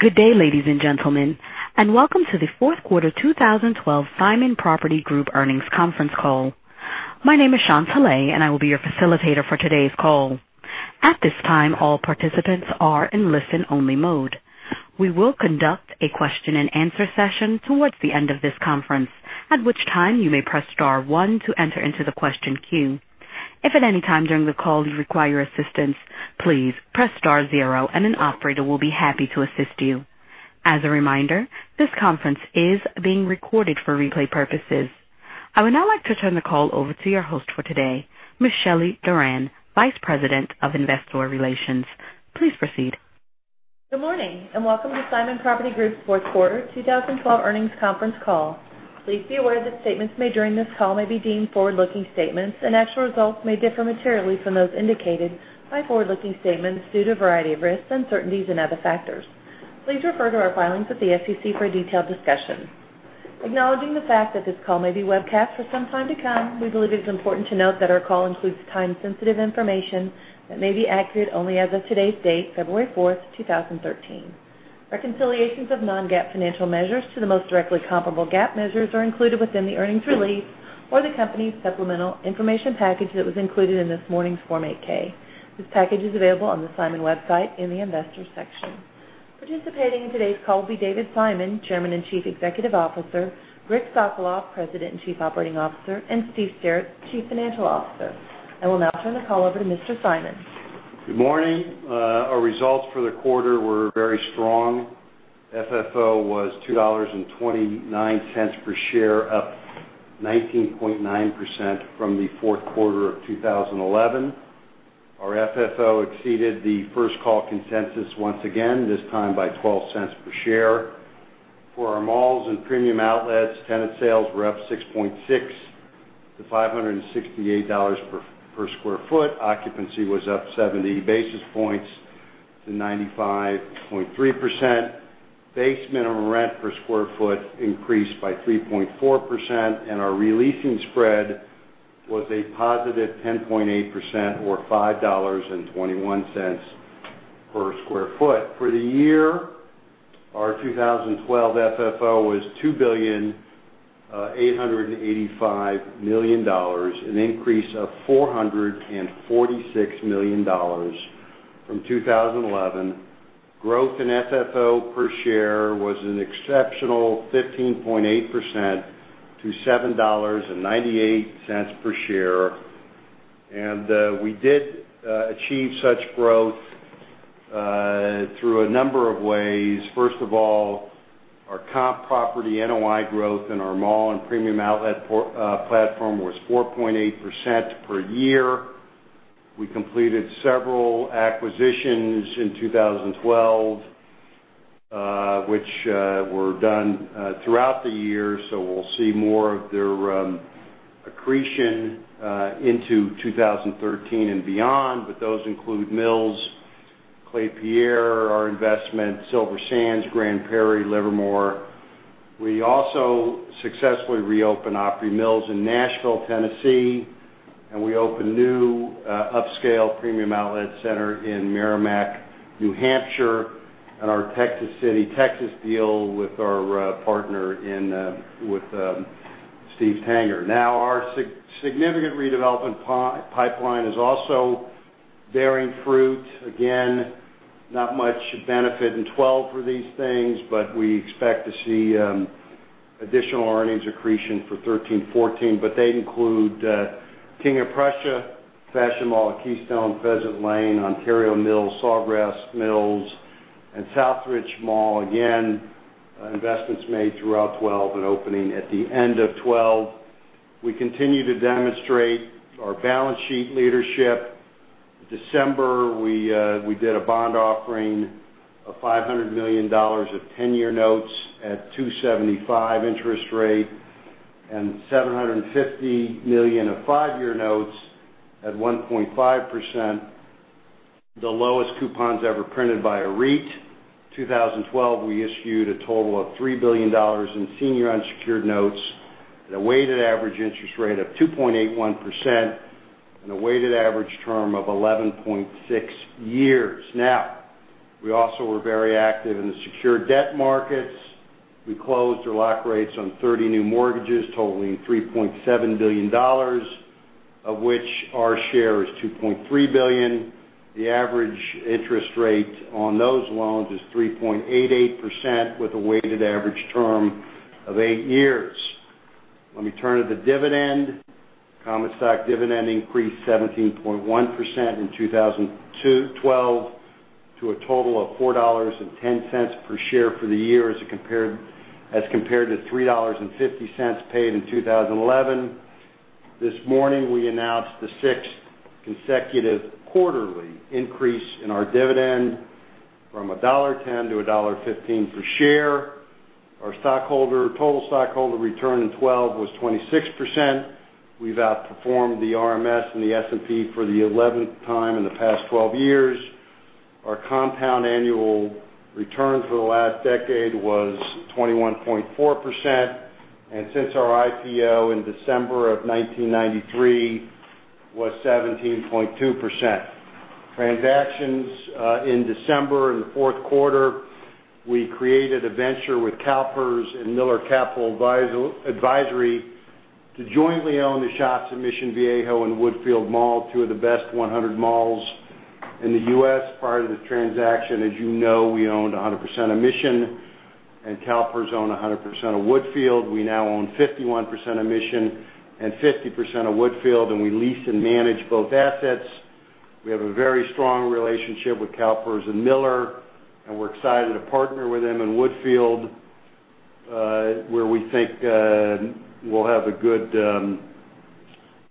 Good day, ladies and gentlemen, welcome to the fourth quarter 2012 Simon Property Group earnings conference call. My name is Chantelle, I will be your facilitator for today's call. At this time, all participants are in listen-only mode. We will conduct a question and answer session towards the end of this conference, at which time you may press star one to enter into the question queue. If at any time during the call you require assistance, please press star zero an operator will be happy to assist you. As a reminder, this conference is being recorded for replay purposes. I would now like to turn the call over to your host for today, Ms. Shelly Doran, Vice President of Investor Relations. Please proceed. Good morning, welcome to Simon Property Group's fourth quarter 2012 earnings conference call. Please be aware that statements made during this call may be deemed forward-looking statements, actual results may differ materially from those indicated by forward-looking statements due to a variety of risks, uncertainties, and other factors. Please refer to our filings with the SEC for a detailed discussion. Acknowledging the fact that this call may be webcast for some time to come, we believe it is important to note that our call includes time-sensitive information that may be accurate only as of today's date, February fourth, 2013. Reconciliations of non-GAAP financial measures to the most directly comparable GAAP measures are included within the earnings release or the company's supplemental information package that was included in this morning's Form 8-K. This package is available on the Simon website in the Investors section. Participating in today's call will be David Simon, Chairman and Chief Executive Officer, Rick Sokolov, President and Chief Operating Officer, and Steve Sterrett, Chief Financial Officer. I will now turn the call over to Mr. Simon. Good morning. Our results for the quarter were very strong. FFO was $2.29 per share, up 19.9% from the fourth quarter of 2011. Our FFO exceeded the first call consensus once again, this time by $0.12 per share. For our malls and Premium Outlets, tenant sales were up 6.6% to $568 per sq ft. Occupancy was up 70 basis points to 95.3%. Base minimum rent per sq ft increased by 3.4%, our re-leasing spread was a positive 10.8%, or $5.21 per sq ft. For the year, our 2012 FFO was $2.885 billion, an increase of $446 million from 2011. Growth in FFO per share was an exceptional 15.8% to $7.98 per share. We did achieve such growth through a number of ways. First of all, our comp property NOI growth in our mall and Premium Outlet platform was 4.8% per year. We completed several acquisitions in 2012, which were done throughout the year, so we'll see more of their accretion into 2013 and beyond. Those include Mills, Klépierre, our investment, Silver Sands, Grand Prairie, Livermore. We also successfully reopened Opry Mills in Nashville, Tennessee, and we opened a new upscale premium outlet center in Merrimack, New Hampshire, and our Texas City, Texas, deal with our partner with Steve Tanger. Our significant redevelopment pipeline is also bearing fruit. Again, not much benefit in 2012 for these things, but we expect to see additional earnings accretion for 2013, 2014. They include King of Prussia Fashion Mall at Keystone, Pheasant Lane, Ontario Mills, Sawgrass Mills, and Southridge Mall. Again, investments made throughout 2012 and opening at the end of 2012. We continue to demonstrate our balance sheet leadership. December, we did a bond offering of $500 million of 10-year notes at 2.75% interest rate and $750 million of five-year notes at 1.5%, the lowest coupons ever printed by a REIT. 2012, we issued a total of $3 billion in senior unsecured notes at a weighted average interest rate of 2.81% and a weighted average term of 11.6 years. We also were very active in the secured debt markets. We closed or locked rates on 30 new mortgages totaling $3.7 billion, of which our share is $2.3 billion. The average interest rate on those loans is 3.88% with a weighted average term of eight years. Let me turn to the dividend. Common stock dividend increased 17.1% in 2012 to a total of $4.10 per share for the year as compared to $3.50 paid in 2011. This morning, we announced the sixth consecutive quarterly increase in our dividend from $1.10 to $1.15 per share. Our total stockholder return in 2012 was 26%. We've outperformed the MSCI US REIT Index and the S&P for the 11th time in the past 12 years. Our compound annual return for the last decade was 21.4%, and since our IPO in December of 1993 was 17.2%. Transactions in December, in the fourth quarter, we created a venture with CalPERS and Miller Capital Advisory to jointly own The Shops at Mission Viejo and Woodfield Mall, two of the best 100 malls in the U.S. Part of the transaction, as you know, we owned 100% of Mission and CalPERS owned 100% of Woodfield. We now own 51% of Mission and 50% of Woodfield, and we lease and manage both assets. We have a very strong relationship with CalPERS and Miller, and we're excited to partner with them in Woodfield, where we think we'll have a good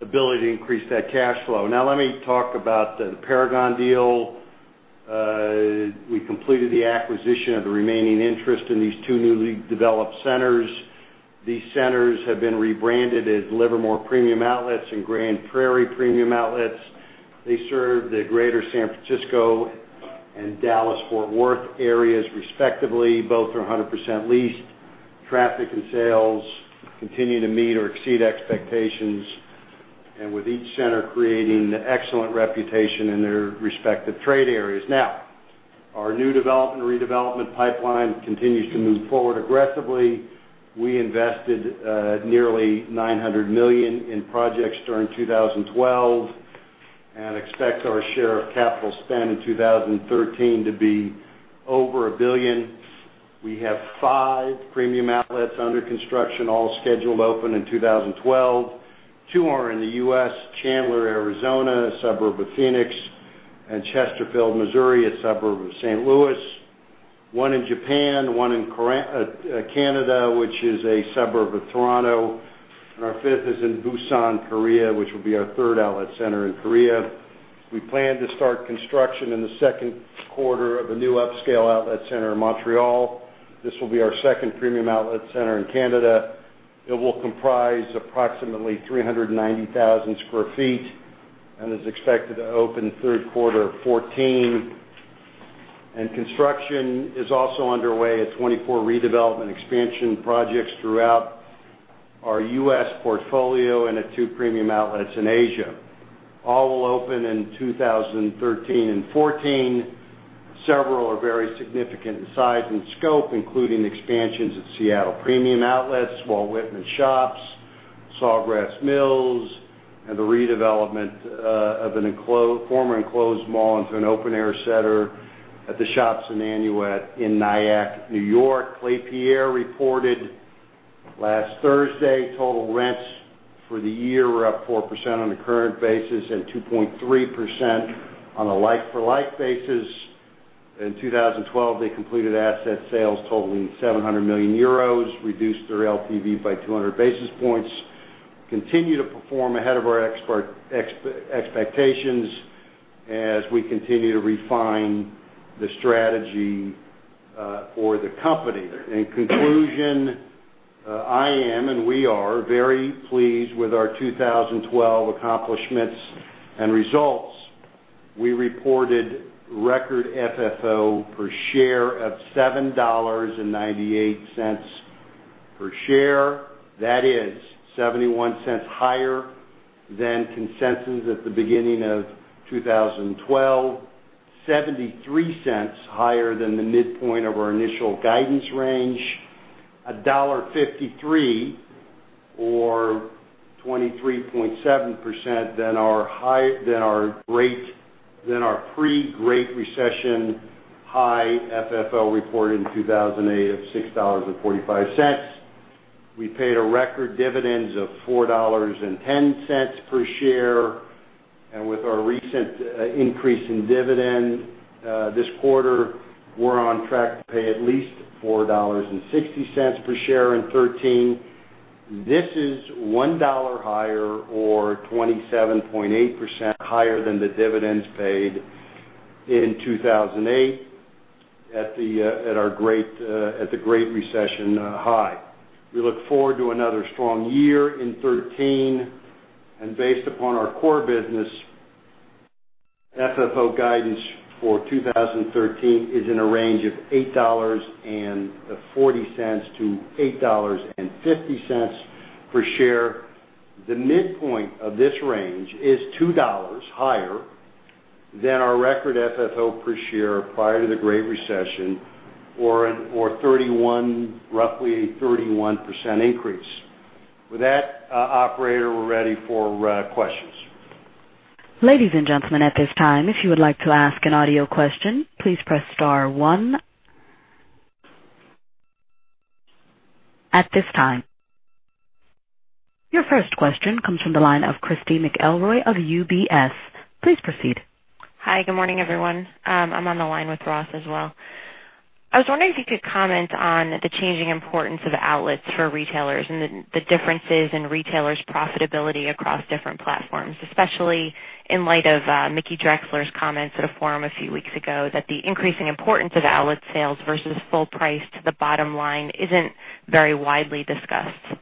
ability to increase that cash flow. Let me talk about the Paragon deal. We completed the acquisition of the remaining interest in these two newly developed centers. These centers have been rebranded as Livermore Premium Outlets and Grand Prairie Premium Outlets. They serve the greater San Francisco and Dallas-Fort Worth areas, respectively. Both are 100% leased. Traffic and sales continue to meet or exceed expectations, and with each center creating an excellent reputation in their respective trade areas. Our new development, redevelopment pipeline continues to move forward aggressively. We invested nearly $900 million in projects during 2012 and expect our share of capital spend in 2013 to be over $1 billion. We have five premium outlets under construction, all scheduled to open in 2012. Two are in the U.S., Chandler, Arizona, a suburb of Phoenix, and Chesterfield, Missouri, a suburb of St. Louis. One in Japan, one in Canada, which is a suburb of Toronto. Our fifth is in Busan, Korea, which will be our third outlet center in Korea. We plan to start construction in the second quarter of a new upscale outlet center in Montreal. This will be our second premium outlet center in Canada. It will comprise approximately 390,000 square feet and is expected to open third quarter of 2014. Construction is also underway at 24 redevelopment expansion projects throughout our U.S. portfolio and at two premium outlets in Asia. All will open in 2013 and 2014. Several are very significant in size and scope, including expansions at Seattle Premium Outlets, Walt Whitman Shops, Sawgrass Mills, and the redevelopment of a former enclosed mall into an open-air center at The Shops at Nanuet in Nyack, New York. Klépierre reported last Thursday, total rents for the year were up 4% on a current basis and 2.3% on a like-for-like basis. In 2012, they completed asset sales totaling 700 million euros, reduced their LTV by 200 basis points, continue to perform ahead of our expectations as we continue to refine the strategy for the company. In conclusion, I am and we are very pleased with our 2012 accomplishments and results. We reported record FFO per share of $7.98 per share. That is $0.71 higher than consensus at the beginning of 2012, $0.73 higher than the midpoint of our initial guidance range, $1.53 or 23.7% than our pre-Great Recession high FFO reported in 2008 of $6.45. We paid a record dividend of $4.10 per share. With our recent increase in dividend this quarter, we're on track to pay at least $4.60 per share in 2013. This is $1 higher or 27.8% higher than the dividends paid in 2008 at the Great Recession high. We look forward to another strong year in 2013. Based upon our core business, FFO guidance for 2013 is in a range of $8.40 to $8.50 per share. The midpoint of this range is $2 higher than our record FFO per share prior to the Great Recession, or roughly a 31% increase. With that, operator, we're ready for questions. Ladies and gentlemen, at this time, if you would like to ask an audio question, please press star one. At this time, your first question comes from the line of Christy McElroy of UBS. Please proceed. Hi, good morning, everyone. I'm on the line with Ross as well. I was wondering if you could comment on the changing importance of outlets for retailers and the differences in retailers' profitability across different platforms, especially in light of Mickey Drexler's comments at a forum a few weeks ago that the increasing importance of outlet sales versus full price to the bottom line isn't very widely discussed.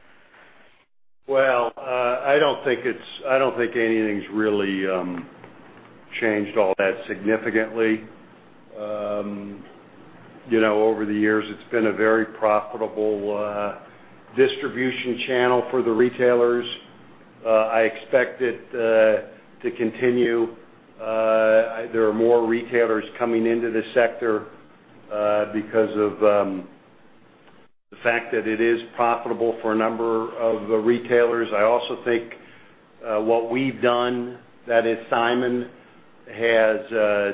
Well, I don't think anything's really changed all that significantly. Over the years, it's been a very profitable distribution channel for the retailers. I expect it to continue. There are more retailers coming into this sector because of the fact that it is profitable for a number of the retailers. I also think what we've done, that is Simon, has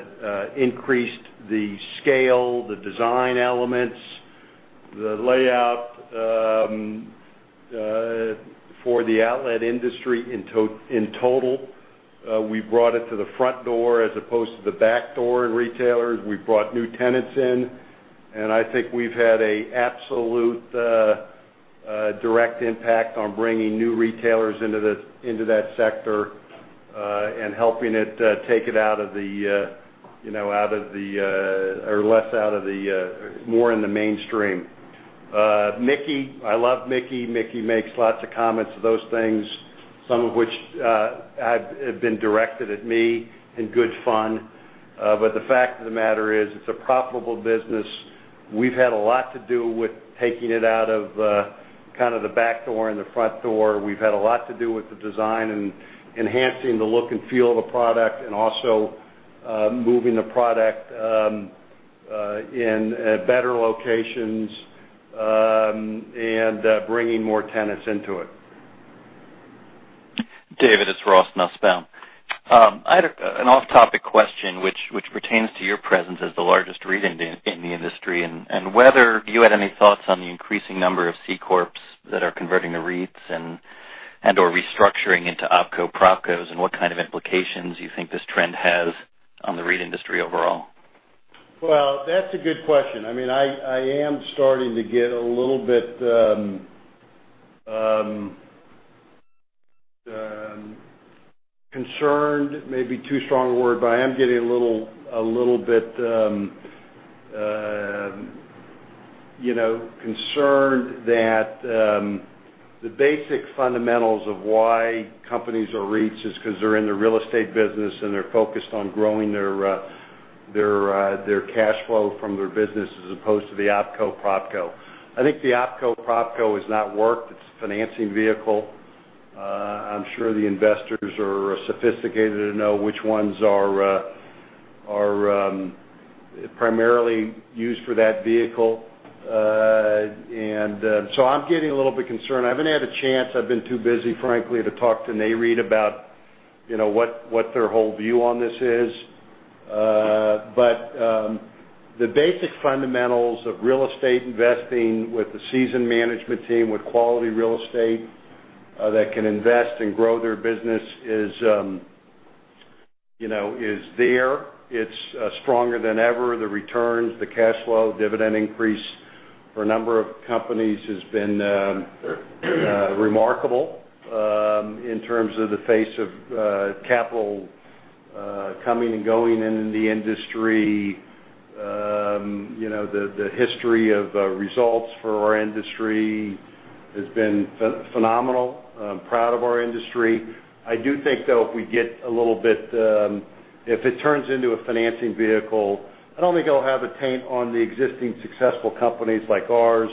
increased the scale, the design elements, the layout for the outlet industry in total. We've brought it to the front door as opposed to the back door in retailers. We've brought new tenants in, and I think we've had an absolute direct impact on bringing new retailers into that sector, and helping take it more in the mainstream. Mickey, I love Mickey. Mickey makes lots of comments to those things, some of which have been directed at me in good fun. The fact of the matter is, it's a profitable business. We've had a lot to do with taking it out of the back door and the front door. We've had a lot to do with the design and enhancing the look and feel of the product and also moving the product in better locations, and bringing more tenants into it. David, it's Ross Nussbaum. I had an off-topic question which pertains to your presence as the largest REIT in the industry, and whether you had any thoughts on the increasing number of C corps that are converting to REITs and/or restructuring into opco/propcos, and what kind of implications you think this trend has on the REIT industry overall. Well, that's a good question. I am starting to get a little bit concerned. Maybe too strong a word, but I am getting a little bit concerned that the basic fundamentals of why companies are REITs is because they're in the real estate business and they're focused on growing their cash flow from their business, as opposed to the opco/propco. I think the opco/propco has not worked. It's a financing vehicle. I'm sure the investors are sophisticated to know which ones are primarily used for that vehicle. I'm getting a little bit concerned. I haven't had a chance, I've been too busy, frankly, to talk to NAREIT about what their whole view on this is. The basic fundamentals of real estate investing with the seasoned management team, with quality real estate that can invest and grow their business is there. It's stronger than ever. The returns, the cash flow, dividend increase for a number of companies has been remarkable in terms of the face of capital coming and going in the industry. The history of results for our industry has been phenomenal. Proud of our industry. I do think, though, if it turns into a financing vehicle, I don't think it'll have a taint on the existing successful companies like ours.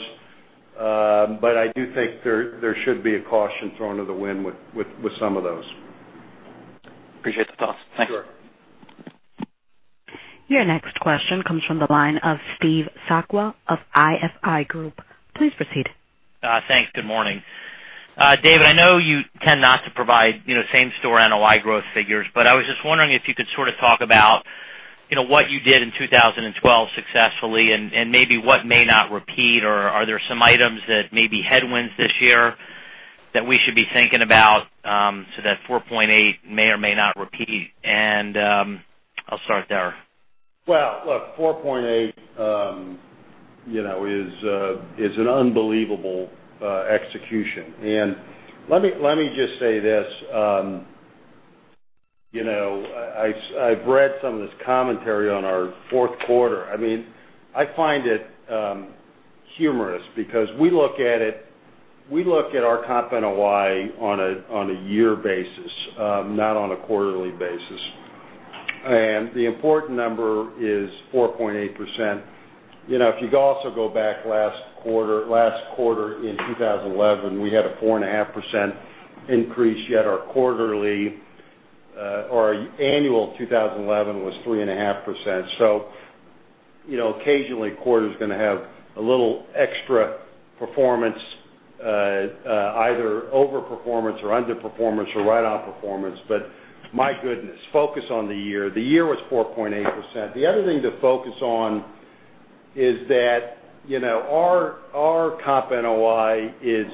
I do think there should be a caution thrown to the wind with some of those. Appreciate the thoughts. Thank you. Sure. Your next question comes from the line of Steve Sakwa of ISI Group. Please proceed. Thanks. Good morning. David, I know you tend not to provide same-store NOI growth figures. I was just wondering if you could sort of talk about what you did in 2012 successfully and maybe what may not repeat, or are there some items that may be headwinds this year that we should be thinking about, so that 4.8 may or may not repeat. I'll start there. Well, look, 4.8 is an unbelievable execution. Let me just say this. I've read some of this commentary on our fourth quarter. I find it humorous because we look at our comp NOI on a year basis, not on a quarterly basis. The important number is 4.8%. If you also go back last quarter in 2011, we had a 4.5% increase, yet our annual 2011 was 3.5%. Occasionally, a quarter is going to have a little extra performance, either over performance or under performance, or right on performance. My goodness, focus on the year. The year was 4.8%. The other thing to focus on is that our comp NOI is,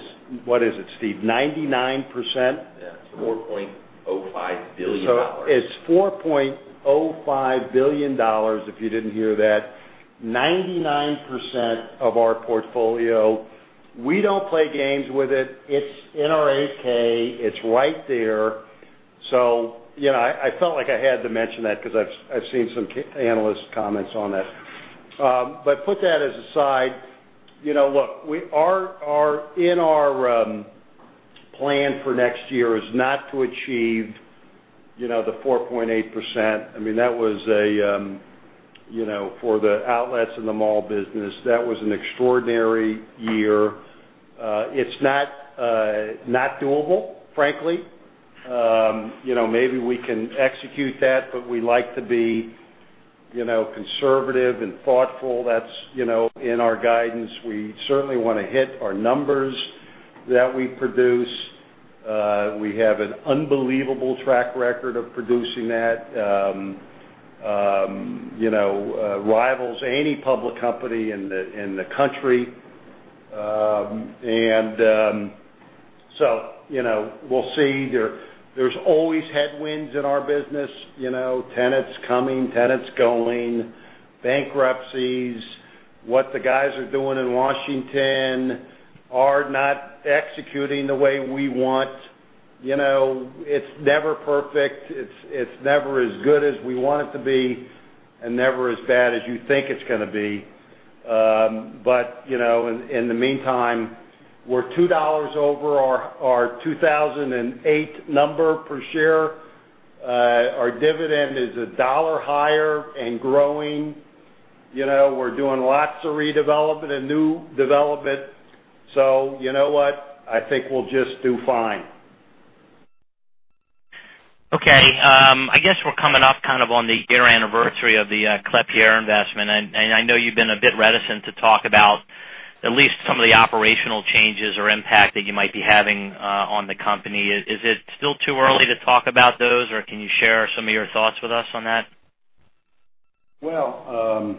what is it, Steve? 99%? Yes, it's $4.05 billion. It's $4.05 billion, if you didn't hear that. 99% of our portfolio. We don't play games with it. It's in our Form 8-K. It's right there. I felt like I had to mention that because I've seen some analyst comments on it. Put that as a side. Look, in our plan for next year is not to achieve the 4.8%. For the outlets in the mall business, that was an extraordinary year. It's not doable, frankly. Maybe we can execute that, but we like to be conservative and thoughtful. That's in our guidance. We certainly want to hit our numbers that we produce. We have an unbelievable track record of producing that, rivals any public company in the country. We'll see. There's always headwinds in our business, tenants coming, tenants going, bankruptcies, what the guys are doing in Washington are not executing the way we want. It's never perfect. It's never as good as we want it to be and never as bad as you think it's going to be. In the meantime, we're $2 over our 2008 number per share. Our dividend is $1 higher and growing. We're doing lots of redevelopment and new development. You know what? I think we'll just do fine. Okay. I guess we're coming up on the year anniversary of the Klépierre investment. I know you've been a bit reticent to talk about at least some of the operational changes or impact that you might be having on the company. Is it still too early to talk about those, can you share some of your thoughts with us on that? Well,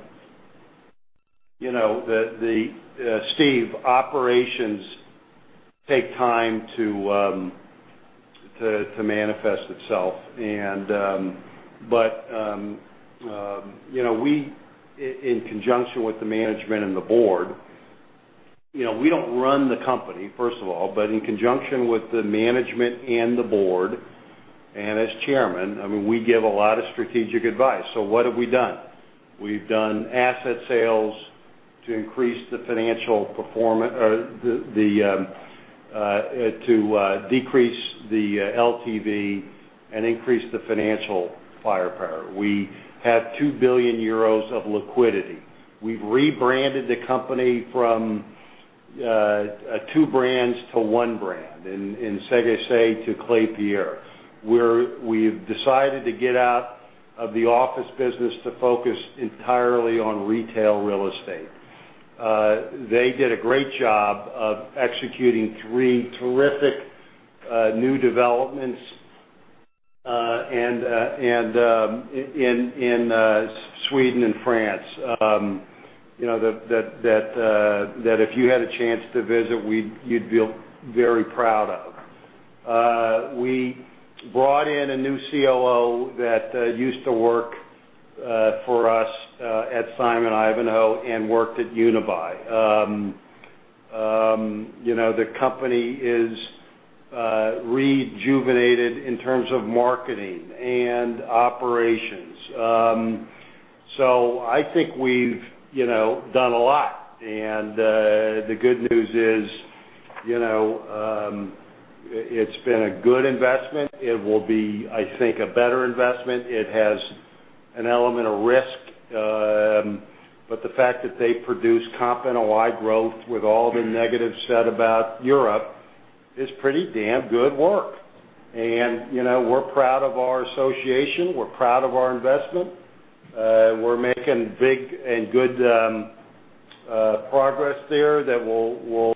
Steve, operations take time to manifest itself. In conjunction with the management and the board, we don't run the company, first of all, in conjunction with the management and the board, and as Chairman, we give a lot of strategic advice. What have we done? We've done asset sales to decrease the LTV and increase the financial firepower. We have 2 billion euros of liquidity. We've rebranded the company from two brands to one brand, in Ségécé to Klépierre, where we've decided to get out of the office business to focus entirely on retail real estate. They did a great job of executing three terrific new developments in Sweden and France, that if you had a chance to visit, you'd feel very proud of. We brought in a new COO that used to work for us at Simon Ivanhoe and worked at Unibail. The company is rejuvenated in terms of marketing and operations. I think we've done a lot, and the good news is, it's been a good investment. It will be, I think, a better investment. It has an element of risk. The fact that they produce comp NOI growth with all the negatives said about Europe is pretty damn good work. We're proud of our association. We're proud of our investment. We're making big and good progress there that will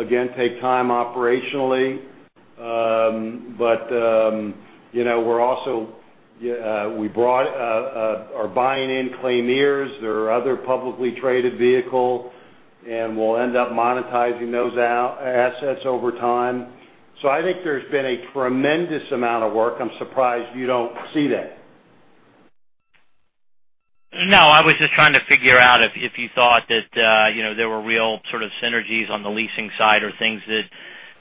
again take time operationally. We brought our buying in Klépierre. There are other publicly traded vehicle, and we'll end up monetizing those assets over time. I think there's been a tremendous amount of work. I'm surprised you don't see that. I was just trying to figure out if you thought that there were real sort of synergies on the leasing side or things that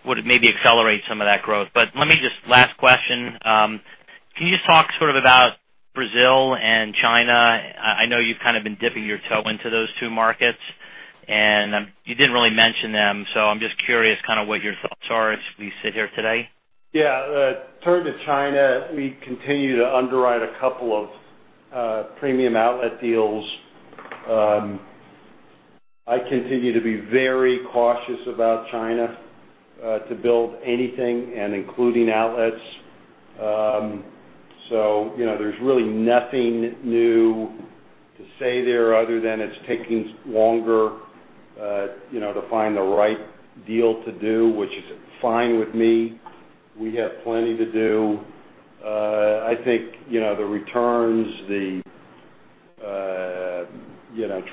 would maybe accelerate some of that growth. Let me just, last question. Can you just talk sort of about Brazil and China? I know you've kind of been dipping your toe into those two markets, and you didn't really mention them, so I'm just curious kind of what your thoughts are as we sit here today. Turn to China. We continue to underwrite a couple of premium outlet deals. I continue to be very cautious about China to build anything and including outlets. There's really nothing new to say there other than it's taking longer to find the right deal to do, which is fine with me. We have plenty to do. I think, the returns,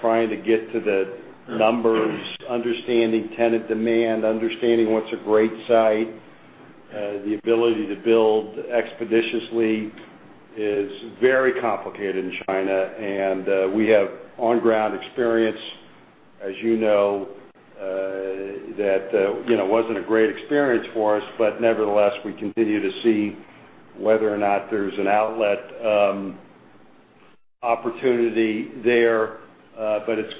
trying to get to the numbers, understanding tenant demand, understanding what's a great site, the ability to build expeditiously is very complicated in China, and we have on-ground experience, as you know, that wasn't a great experience for us, but nevertheless, we continue to see whether or not there's an outlet opportunity there, but it's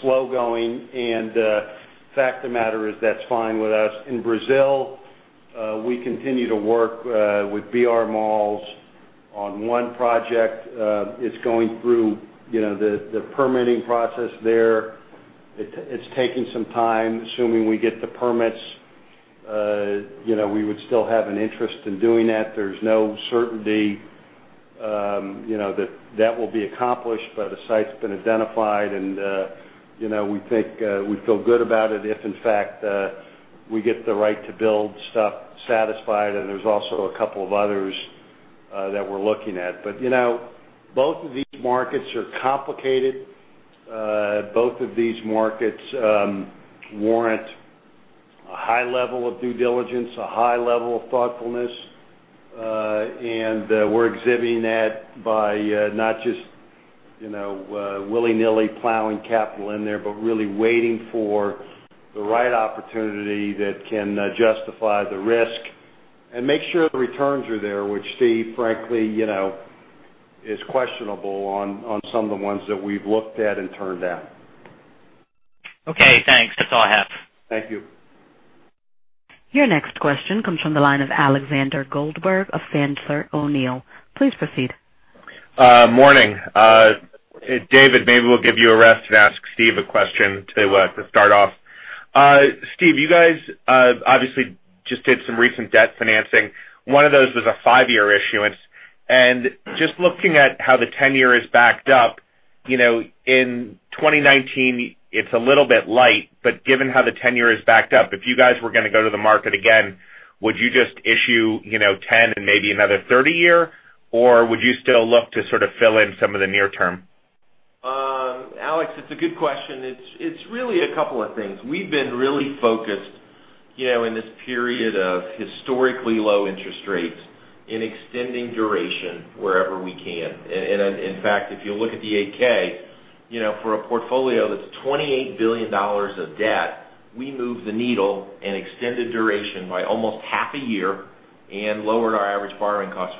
slow going, and fact of the matter is that's fine with us. In Brazil, we continue to work with BR Malls on one project. It's going through the permitting process there. It's taking some time. Assuming we get the permits, we would still have an interest in doing that. There's no certainty that that will be accomplished, a site's been identified and we feel good about it if, in fact, we get the right to build stuff satisfied, and there's also a couple of others that we're looking at. Both of these markets are complicated. Both of these markets warrant a high level of due diligence, a high level of thoughtfulness. We're exhibiting that by not just willy-nilly plowing capital in there, but really waiting for the right opportunity that can justify the risk and make sure the returns are there, which, Steve, frankly, is questionable on some of the ones that we've looked at and turned down. Thanks. That's all I have. Thank you. Your next question comes from the line of Alexander Goldfarb of Sandler O'Neill. Please proceed. Morning. David, maybe we'll give you a rest and ask Steve a question to start off. Steve, you guys obviously just did some recent debt financing. One of those was a five-year issuance. Just looking at how the tenor is backed up, in 2019, it's a little bit light, but given how the tenor is backed up, if you guys were going to go to the market again, would you just issue 10 and maybe another 30 year? Would you still look to sort of fill in some of the near term? Alex, it's a good question. It's really a couple of things. We've been really focused, in this period of historically low interest rates, in extending duration wherever we can. In fact, if you look at the 8-K, for a portfolio that's $28 billion of debt, we moved the needle and extended duration by almost half a year and lowered our average borrowing cost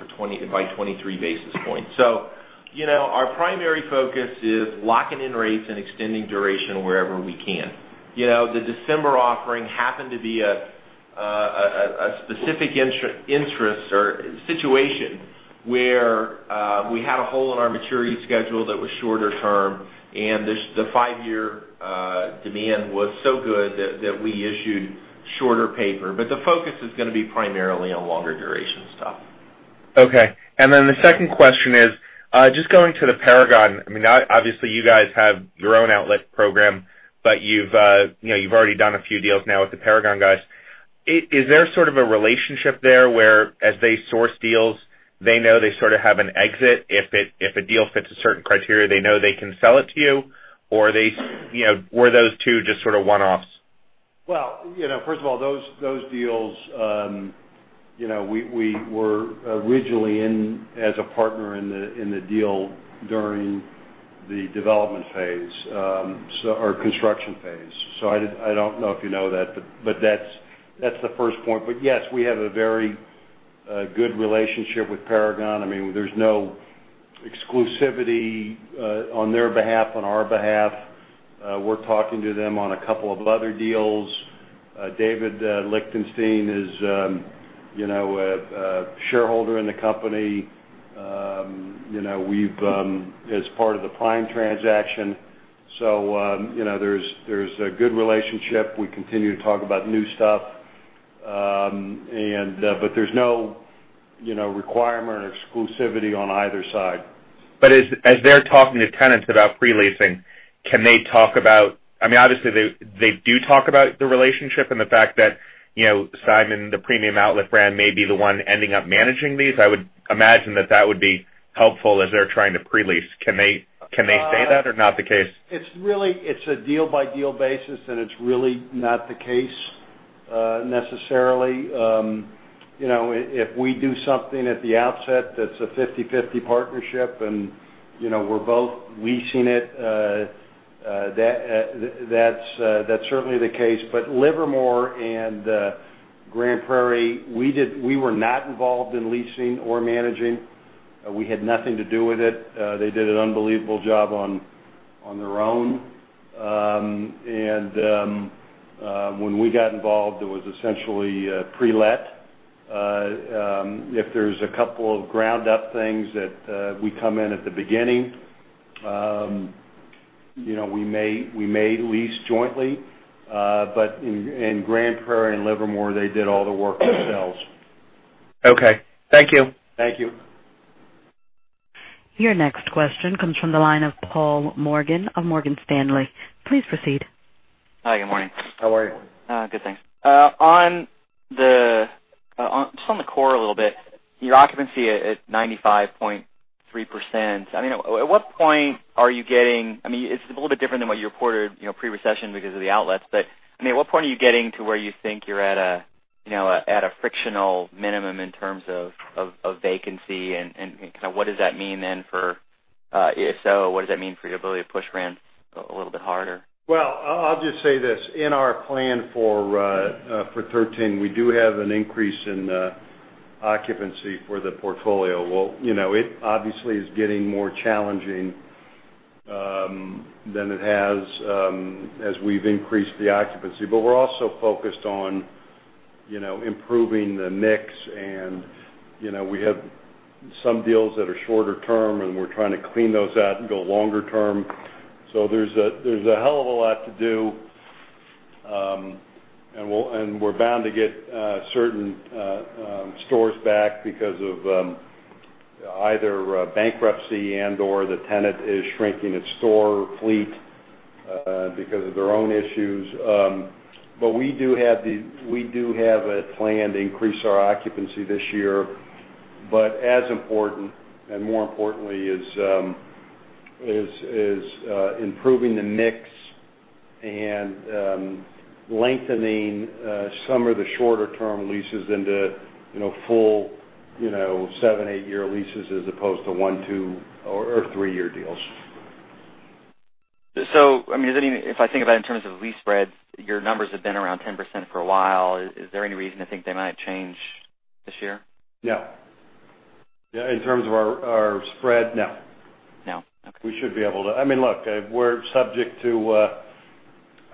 by 23 basis points. Our primary focus is locking in rates and extending duration wherever we can. The December offering happened to be a specific interest or situation where we had a hole in our maturity schedule that was shorter term, and the five-year demand was so good that we issued shorter paper. The focus is going to be primarily on longer duration stuff. Okay. The second question is, just going to Paragon. Obviously, you guys have your own outlet program, but you've already done a few deals now with Paragon. Is there sort of a relationship there where as they source deals, they know they sort of have an exit if a deal fits a certain criteria, they know they can sell it to you? Or were those two just sort of one-offs? Well, first of all, those deals, we were originally in as a partner in the deal during the development phase or construction phase. I don't know if you know that, but that's the first point. Yes, we have a very good relationship with Paragon. There's no exclusivity on their behalf, on our behalf. We're talking to them on a couple of other deals. David Lichtenstein is a shareholder in the company as part of the Prime transaction. There's a good relationship. We continue to talk about new stuff. There's no requirement or exclusivity on either side. As they're talking to tenants about pre-leasing, can they talk about obviously, they do talk about the relationship and the fact that Simon, the Premium Outlets brand, may be the one ending up managing these. I would imagine that that would be helpful as they're trying to pre-lease. Can they say that or not the case? It's a deal-by-deal basis, it's really not the case necessarily. If we do something at the outset that's a 50/50 partnership and we're both leasing it, that's certainly the case. Livermore and Grand Prairie, we were not involved in leasing or managing. We had nothing to do with it. They did an unbelievable job on their own. When we got involved, it was essentially pre-let. If there's a couple of ground-up things that we come in at the beginning, we may lease jointly. In Grand Prairie and Livermore, they did all the work themselves. Okay. Thank you. Thank you. Your next question comes from the line of Paul Morgan of Morgan Stanley. Please proceed. Hi, good morning. How are you? Good, thanks. Just on the core a little bit, your occupancy at 95.3%. At what point are you getting to where you think you're at a frictional minimum in terms of vacancy, and kind of what does that mean for if so, what does that mean for your ability to push rent a little bit harder? Well, I'll just say this. In our plan for 2013, we do have an increase in occupancy for the portfolio. It obviously is getting more challenging than it has as we've increased the occupancy. We're also focused on improving the mix, and we have some deals that are shorter term, and we're trying to clean those out and go longer term. There's a hell of a lot to do. We're bound to get certain stores back because of either bankruptcy and/or the tenant is shrinking its store fleet because of their own issues. We do have a plan to increase our occupancy this year. As important, and more importantly, is improving the mix and lengthening some of the shorter term leases into full seven, eight-year leases as opposed to one, two, or three-year deals. If I think about in terms of lease spreads, your numbers have been around 10% for a while. Is there any reason to think they might change this year? No. In terms of our spread, no. No. Okay. We should be able to Look,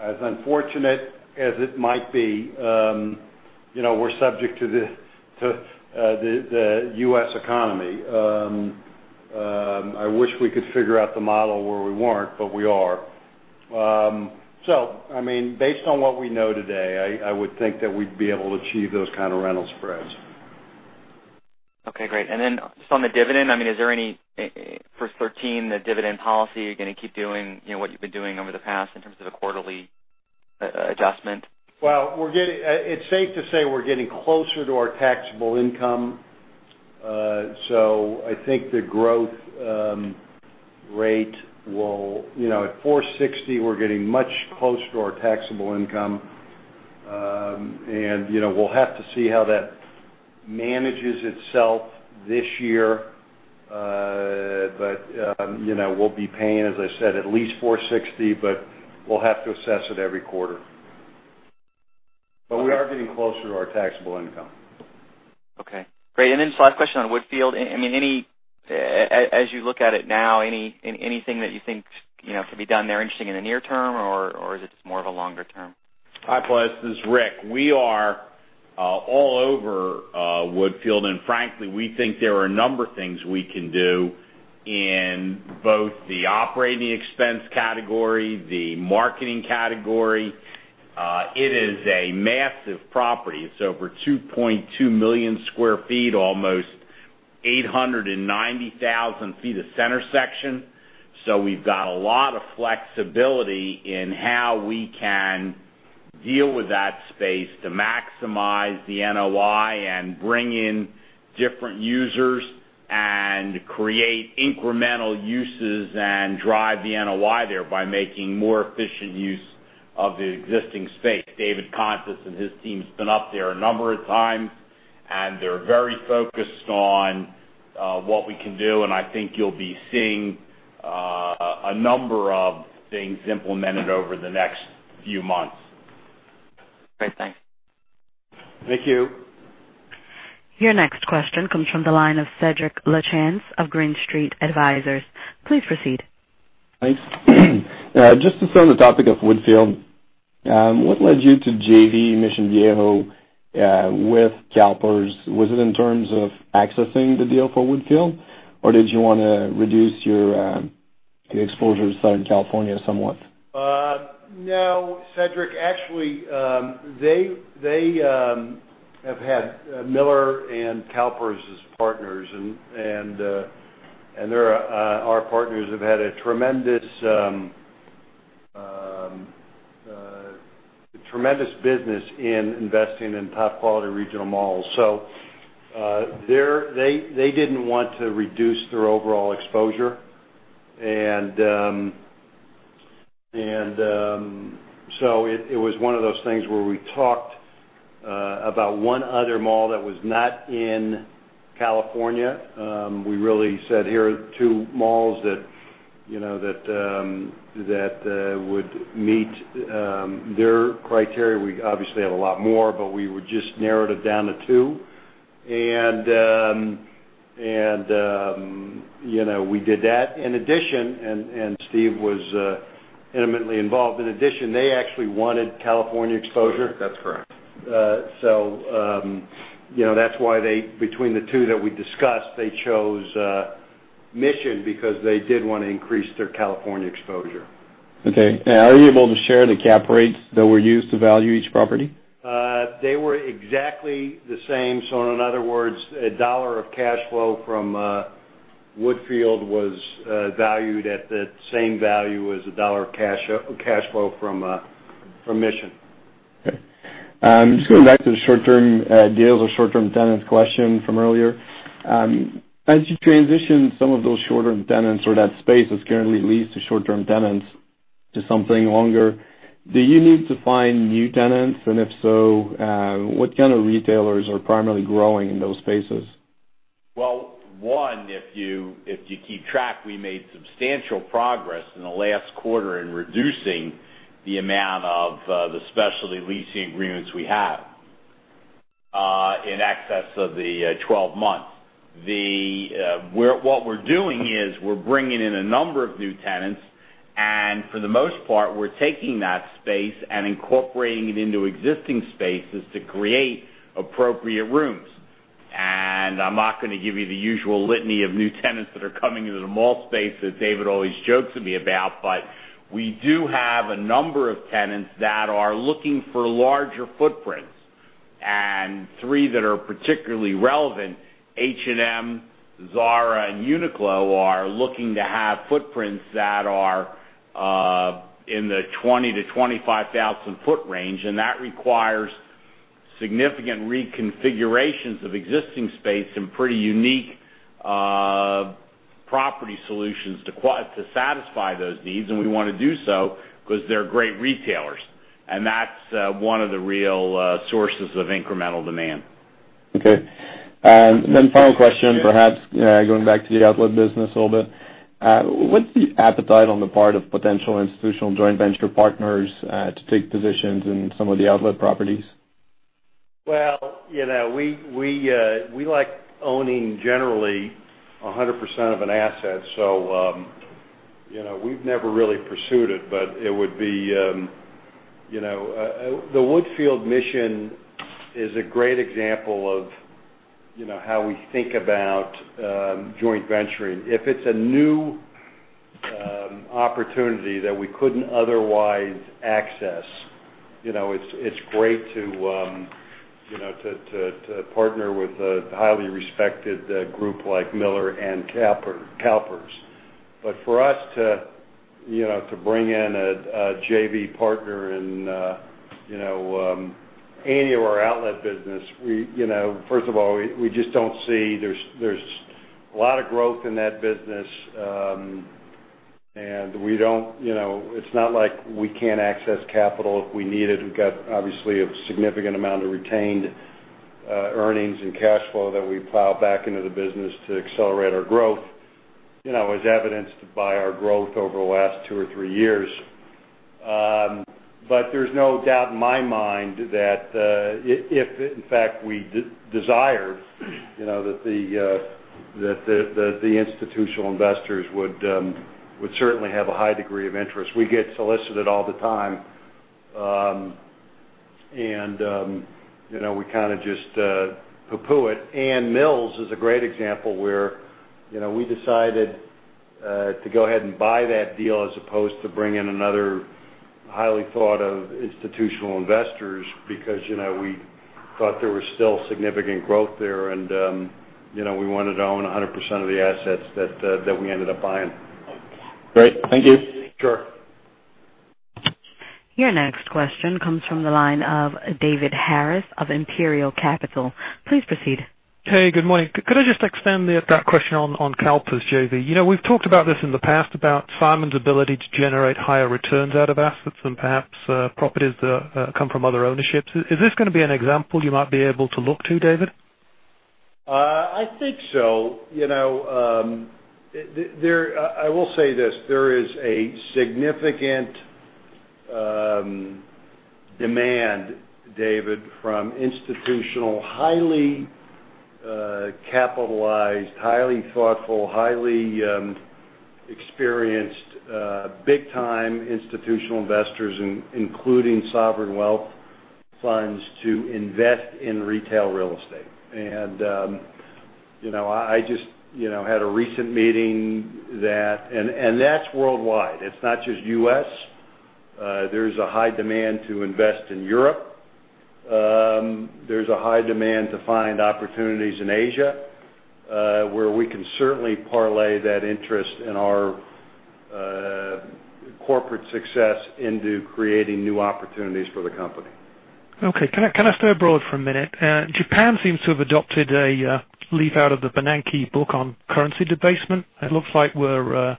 as unfortunate as it might be, we're subject to the U.S. economy. I wish we could figure out the model where we weren't, but we are. Based on what we know today, I would think that we'd be able to achieve those kind of rental spreads. Okay, great. Just on the dividend, for 2013, the dividend policy, are you going to keep doing what you've been doing over the past in terms of the quarterly adjustment? Well, it's safe to say we're getting closer to our taxable income. At $460, we're getting much closer to our taxable income. We'll have to see how that manages itself this year. We'll be paying, as I said, at least $460, but we'll have to assess it every quarter. We are getting closer to our taxable income. Okay, great. Just last question on Woodfield. As you look at it now, anything that you think could be done there, interesting in the near term, or is it more of a longer term? Hi, boys. This is Rick. We are all over Woodfield, and frankly, we think there are a number of things we can do in both the operating expense category, the marketing category. It is a massive property. It's over 2.2 million sq ft, almost 890,000 feet of center section. We've got a lot of flexibility in how we can deal with that space to maximize the NOI and bring in different users and create incremental uses and drive the NOI there by making more efficient use of the existing space. David Contis and his team's been up there a number of times, and they're very focused on what we can do, and I think you'll be seeing a number of things implemented over the next few months. Great, thanks. Thank you. Your next question comes from the line of Cedrik Lachance of Green Street Advisors. Please proceed. Thanks. Just to stay on the topic of Woodfield, what led you to JV Mission Viejo, with CalPERS? Was it in terms of accessing the deal for Woodfield, or did you want to reduce your exposure to Southern California somewhat? No, Cedrik. Actually, they have had Miller and CalPERS as partners, and our partners have had a tremendous business in investing in top-quality regional malls. They didn't want to reduce their overall exposure. It was one of those things where we talked about one other mall that was not in California. We really said, "Here are two malls that would meet their criteria." We obviously have a lot more, but we just narrowed it down to two. We did that. In addition, and Steve was intimately involved, in addition, they actually wanted California exposure. That's correct. That's why between the two that we discussed, they chose Mission because they did want to increase their California exposure. Are you able to share the cap rates that were used to value each property? They were exactly the same. In other words, a dollar of cash flow from Woodfield was valued at the same value as a dollar of cash flow from Mission. Okay. Just going back to the short-term deals or short-term tenants question from earlier. As you transition some of those shorter tenants or that space that's currently leased to short-term tenants to something longer, do you need to find new tenants? If so, what kind of retailers are primarily growing in those spaces? Well, one, if you keep track, we made substantial progress in the last quarter in reducing the amount of the specialty leasing agreements we have in excess of the 12 months. What we're doing is we're bringing in a number of new tenants, and for the most part, we're taking that space and incorporating it into existing spaces to create appropriate rooms. I'm not going to give you the usual litany of new tenants that are coming into the mall space that David always jokes at me about. We do have a number of tenants that are looking for larger footprints, and three that are particularly relevant, H&M, Zara, and Uniqlo, are looking to have footprints that are in the 20,000-25,000-foot range. That requires significant reconfigurations of existing space and pretty unique property solutions to satisfy those needs. We want to do so because they're great retailers. That's one of the real sources of incremental demand. Okay. Final question, perhaps going back to the outlet business a little bit. What's the appetite on the part of potential institutional joint venture partners to take positions in some of the outlet properties? We like owning generally 100% of an asset. We've never really pursued it, but the Woodfield/Mission is a great example of how we think about joint venturing. If it's a new opportunity that we couldn't otherwise access, it's great to partner with a highly respected group like Miller and CalPERS. For us to bring in a JV partner in any of our outlet business, first of all, we just don't see there's a lot of growth in that business. It's not like we can't access capital if we need it. We've got obviously a significant amount of retained earnings and cash flow that we plow back into the business to accelerate our growth, as evidenced by our growth over the last two or three years. There's no doubt in my mind that if, in fact, we desired, that the institutional investors would certainly have a high degree of interest. We get solicited all the time. We kind of just pooh-pooh it. Mills is a great example where we decided to go ahead and buy that deal as opposed to bring in another highly thought of institutional investors because we thought there was still significant growth there, and we wanted to own 100% of the assets that we ended up buying. Great. Thank you. Sure. Your next question comes from the line of David Harris of Imperial Capital. Please proceed. Hey, good morning. Could I just extend that question on CalPERS JV? We've talked about this in the past about Simon's ability to generate higher returns out of assets and perhaps properties that come from other ownerships. Is this going to be an example you might be able to look to, David? I think so. I will say this, there is a significant demand, David, from institutional, highly capitalized, highly thoughtful, highly experienced, big-time institutional investors, including sovereign wealth funds, to invest in retail real estate. I just had a recent meeting and that's worldwide. It's not just U.S. There's a high demand to invest in Europe. There's a high demand to find opportunities in Asia where we can certainly parlay that interest in our corporate success into creating new opportunities for the company. Okay. Can I stay abroad for a minute? Japan seems to have adopted a leaf out of the Bernanke book on currency debasement. It looks like we're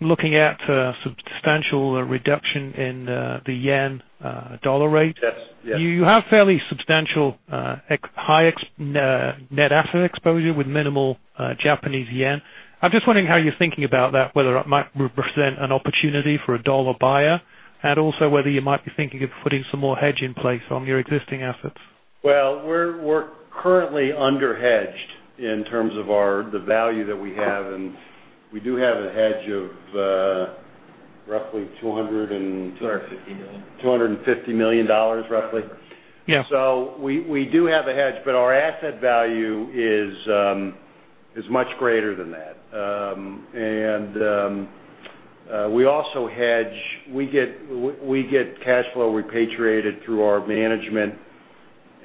looking at a substantial reduction in the yen dollar rate. Yes. You have fairly substantial high net asset exposure with minimal Japanese yen. I'm just wondering how you're thinking about that, whether it might represent an opportunity for a dollar buyer, and also whether you might be thinking of putting some more hedge in place on your existing assets. We're currently under-hedged in terms of the value that we have, and we do have a hedge of roughly $250 million. Yeah. We do have a hedge, but our asset value is much greater than that. We also hedge, we get cash flow repatriated through our management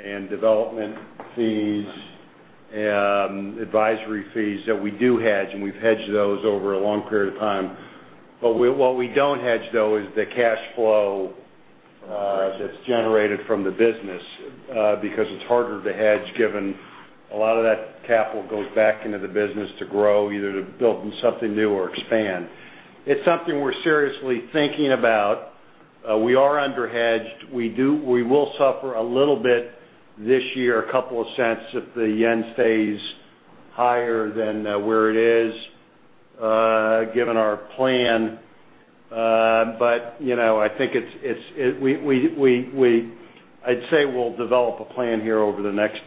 and development fees and advisory fees that we do hedge, and we've hedged those over a long period of time. What we don't hedge, though, is the cash flow that's generated from the business because it's harder to hedge given a lot of that capital goes back into the business to grow, either to build something new or expand. It's something we're seriously thinking about. We are under-hedged. We will suffer a little bit this year, $0.02 if the yen stays higher than where it is given our plan. I think I'd say we'll develop a plan here over the next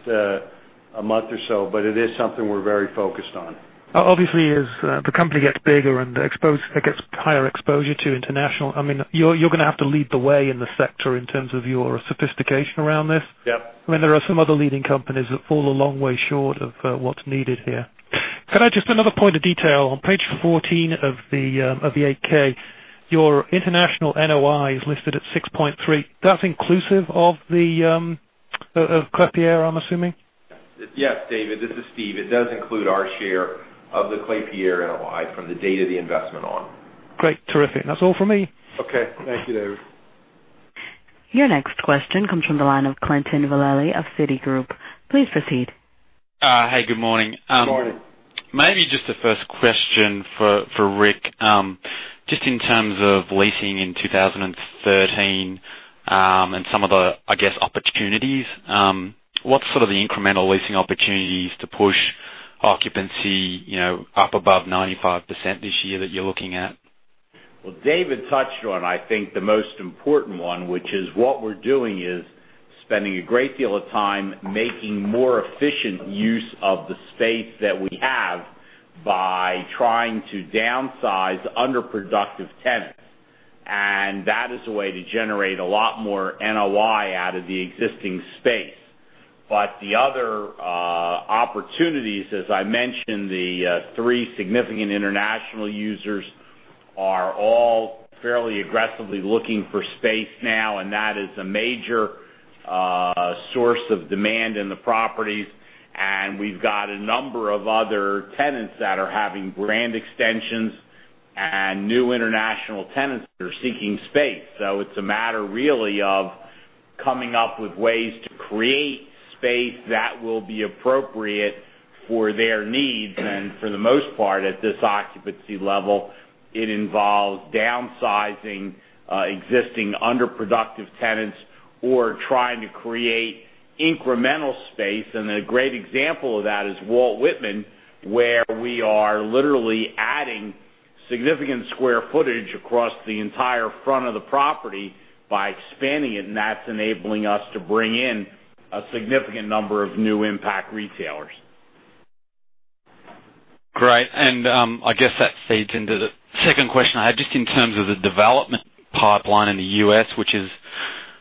month or so, it is something we're very focused on. Obviously, as the company gets bigger and gets higher exposure to international, you're going to have to lead the way in the sector in terms of your sophistication around this. Yep. There are some other leading companies that fall a long way short of what's needed here. Could I just, another point of detail. On page 14 of the 8-K, your international NOI is listed at 6.3. That's inclusive of Klépierre, I'm assuming? Yes, David, this is Steve. It does include our share of the Klépierre NOI from the date of the investment on. Great. Terrific. That's all for me. Okay. Thank you, David. Your next question comes from the line of Quentin Velleley of Citigroup. Please proceed. Hey, good morning. Good morning. Maybe just the first question for Rick. Just in terms of leasing in 2013, and some of the, I guess, opportunities. What's sort of the incremental leasing opportunities to push occupancy up above 95% this year that you're looking at? Well, David touched on, I think, the most important one, which is what we're doing is spending a great deal of time making more efficient use of the space that we have by trying to downsize underproductive tenants. That is a way to generate a lot more NOI out of the existing space. The other opportunities, as I mentioned, the three significant international users are all fairly aggressively looking for space now, That is a major source of demand in the properties. We've got a number of other tenants that are having brand extensions, and new international tenants that are seeking space. It's a matter really of coming up with ways to create space that will be appropriate for their needs. For the most part, at this occupancy level, it involves downsizing existing underproductive tenants or trying to create incremental space. A great example of that is Walt Whitman, where we are literally adding significant square footage across the entire front of the property by expanding it, that's enabling us to bring in a significant number of new impact retailers. Great, I guess that feeds into the second question I had just in terms of the development pipeline in the U.S., which is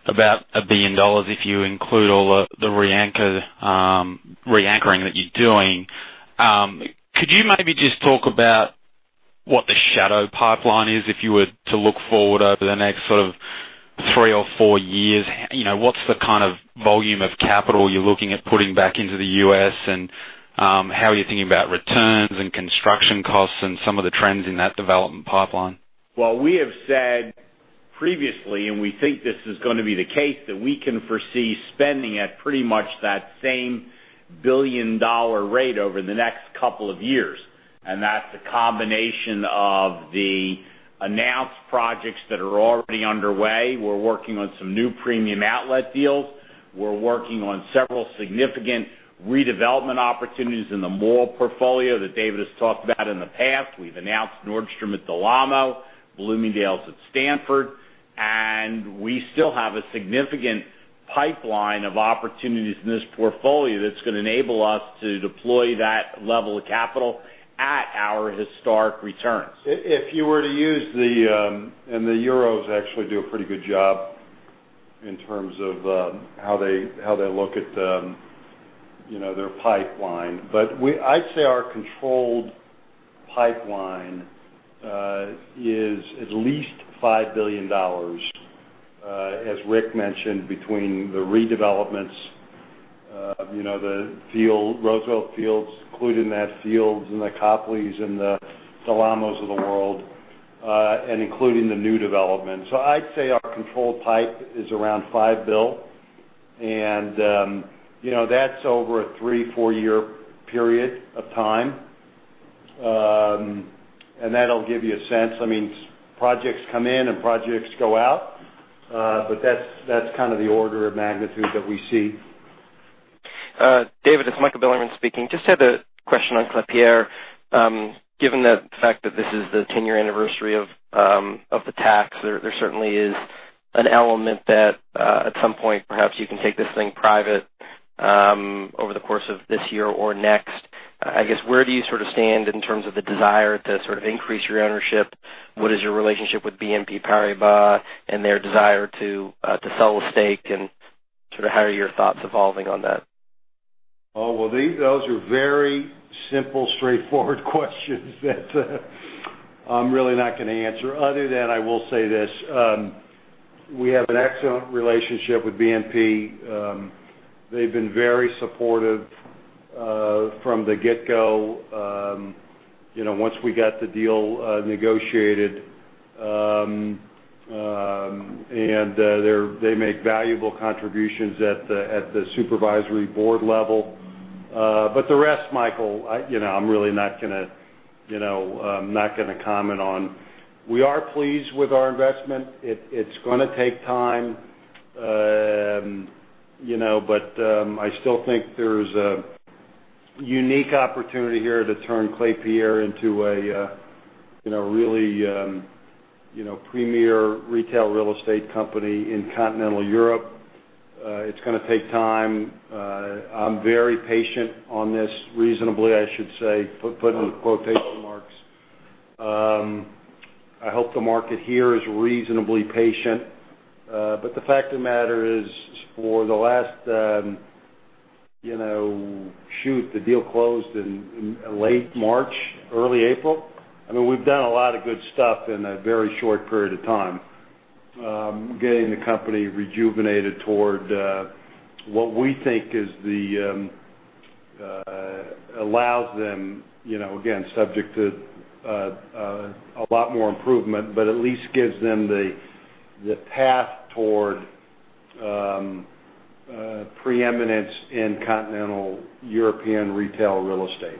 about $1 billion if you include all the reanchoring that you're doing. Could you maybe just talk about what the shadow pipeline is if you were to look forward over the next sort of three or four years? What's the kind of volume of capital you're looking at putting back into the U.S., and how are you thinking about returns and construction costs and some of the trends in that development pipeline? Well, we have said previously, we think this is going to be the case, that we can foresee spending at pretty much that same $1 billion rate over the next couple of years, that's a combination of the announced projects that are already underway. We're working on some new premium outlet deals. We're working on several significant redevelopment opportunities in the mall portfolio that David has talked about in the past. We've announced Nordstrom at Del Amo, Bloomingdale's at Stanford, we still have a significant pipeline of opportunities in this portfolio that's going to enable us to deploy that level of capital at our historic returns. If you were to use the Euros actually do a pretty good job in terms of how they look at their pipeline. I'd say our controlled pipeline is at least $5 billion, as Rick mentioned, between the redevelopments, the Roosevelt Field, including that Fields and the Copleys and the Del Amos of the world, including the new developments. I'd say our controlled pipe is around $5 billion, that's over a three, four-year period of time. That'll give you a sense. Projects come in and projects go out, but that's kind of the order of magnitude that we see. David, it's Michael Bilerman speaking. Just had a question on Klépierre. Given the fact that this is the 10-year anniversary of the tax, there certainly is an element that, at some point, perhaps you can take this thing private over the course of this year or next. I guess, where do you sort of stand in terms of the desire to sort of increase your ownership? What is your relationship with BNP Paribas and their desire to sell a stake, and sort of how are your thoughts evolving on that? Well, those are very simple, straightforward questions that I'm really not going to answer. Other than that, I will say this. We have an excellent relationship with BNP. They've been very supportive from the get-go. Once we got the deal negotiated, and they make valuable contributions at the supervisory board level. The rest, Michael, I'm really not going to comment on. We are pleased with our investment. It's going to take time. I still think there's a unique opportunity here to turn Klépierre into a really premier retail real estate company in continental Europe. It's going to take time. I'm very patient on this, reasonably, I should say, put in quotation marks. I hope the market here is reasonably patient. The fact of the matter is, for the last, shoot, the deal closed in late March, early April. We've done a lot of good stuff in a very short period of time. Getting the company rejuvenated toward what we think allows them, again, subject to a lot more improvement, but at least gives them the path toward preeminence in continental European retail real estate.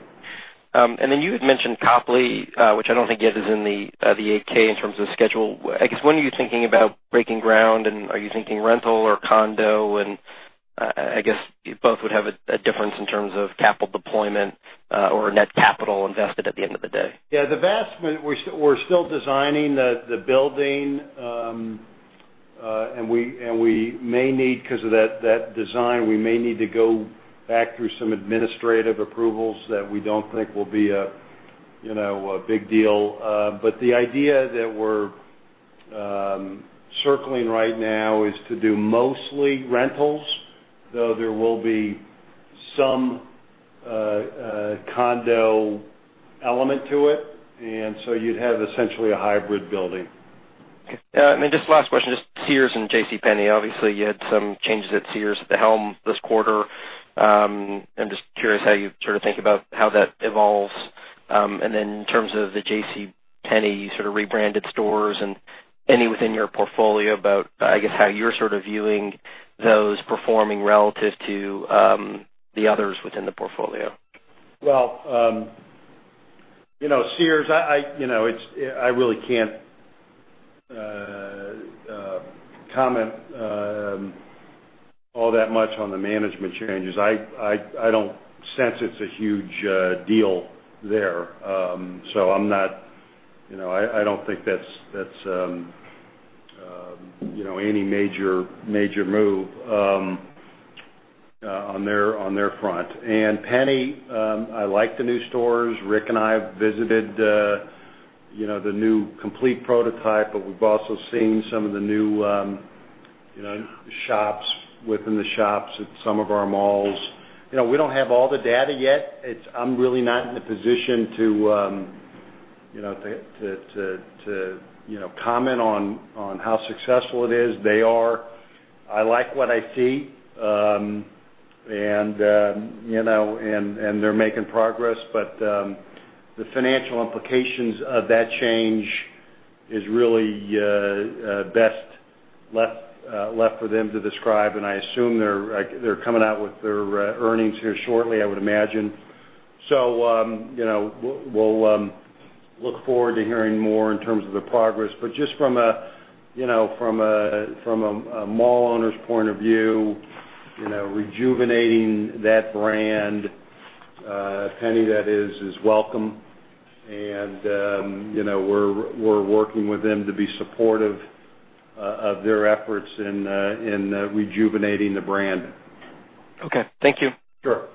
Then you had mentioned Copley, which I don't think yet is in the 8-K in terms of schedule. I guess, when are you thinking about breaking ground, and are you thinking rental or condo? I guess both would have a difference in terms of capital deployment or net capital invested at the end of the day. We're still designing the building, because of that design, we may need to go back through some administrative approvals that we don't think will be a big deal. The idea that we're circling right now is to do mostly rentals, though there will be some condo element to it. You'd have essentially a hybrid building. Okay. Just last question, just Sears and JCPenney. Obviously, you had some changes at Sears at the helm this quarter. I'm just curious how you sort of think about how that evolves. In terms of the JCPenney sort of rebranded stores and any within your portfolio about, I guess, how you're sort of viewing those performing relative to the others within the portfolio. Well, Sears, I really can't comment all that much on the management changes. I don't sense it's a huge deal there. I don't think that's any major move on their front. Penney, I like the new stores. Rick and I have visited the new complete prototype, we've also seen some of the new shops within the shops at some of our malls. We don't have all the data yet. I'm really not in a position to comment on how successful it is. They are. I like what I see. They're making progress, the financial implications of that change is really best left for them to describe, I assume they're coming out with their earnings here shortly, I would imagine. We'll look forward to hearing more in terms of the progress. Just from a mall owner's point of view, rejuvenating that brand, Penney that is welcome. We're working with them to be supportive of their efforts in rejuvenating the brand. Okay. Thank you. Sure.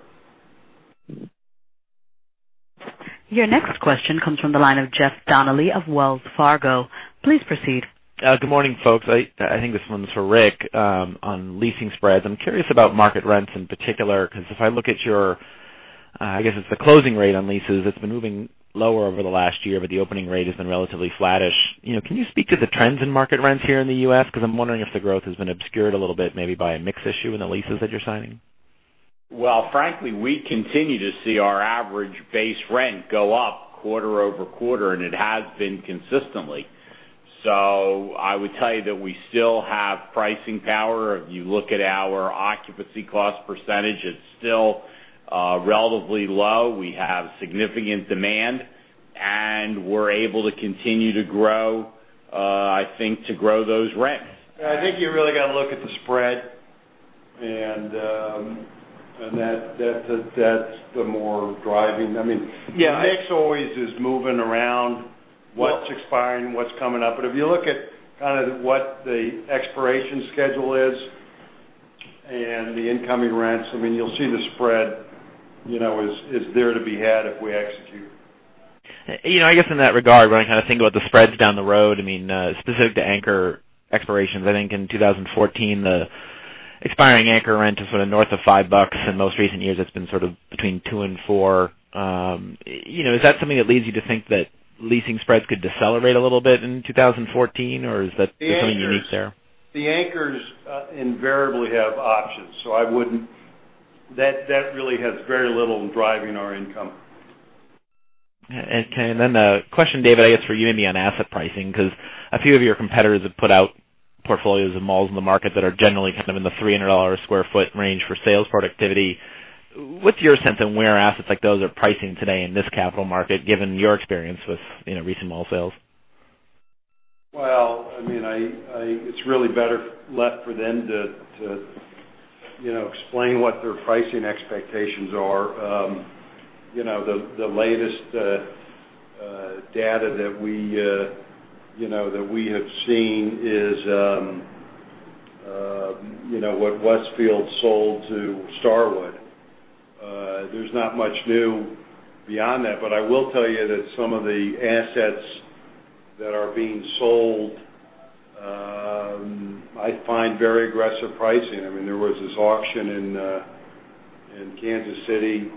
Your next question comes from the line of Jeff Donnelly of Wells Fargo. Please proceed. Good morning, folks. I think this one's for Rick on leasing spreads. I'm curious about market rents in particular. If I look at your, I guess it's the closing rate on leases that's been moving lower over the last year, the opening rate has been relatively flattish. Can you speak to the trends in market rents here in the U.S.? I'm wondering if the growth has been obscured a little bit, maybe by a mix issue in the leases that you're signing. Well, frankly, we continue to see our average base rent go up quarter-over-quarter, and it has been consistently. I would tell you that we still have pricing power. If you look at our occupancy cost percentage, it's still relatively low. We have significant demand, and we're able to continue to grow, I think, to grow those rents. I think you really got to look at the spread, and that's the more driving. Yeah. The mix always is moving around, what's expiring, what's coming up. If you look at kind of what the expiration schedule is and the incoming rents, you'll see the spread is there to be had if we execute. I guess in that regard, when I kind of think about the spreads down the road, specific to anchor expirations, I think in 2014, the expiring anchor rent is sort of north of $5. In most recent years, it's been sort of between $2 and $4. Is that something that leads you to think that leasing spreads could decelerate a little bit in 2014, or is that something unique there? The anchors invariably have options, that really has very little in driving our income. Okay, a question, David, I guess for you maybe on asset pricing, because a few of your competitors have put out portfolios and malls in the market that are generally kind of in the $300 a sq ft range for sales productivity. What's your sense on where assets like those are pricing today in this capital market, given your experience with recent mall sales? Well, it's really better left for them to explain what their pricing expectations are. The latest data that we have seen is what Westfield sold to Starwood. There's not much new beyond that. I will tell you that some of the assets that are being sold, I find very aggressive pricing. There was this auction in Kansas City,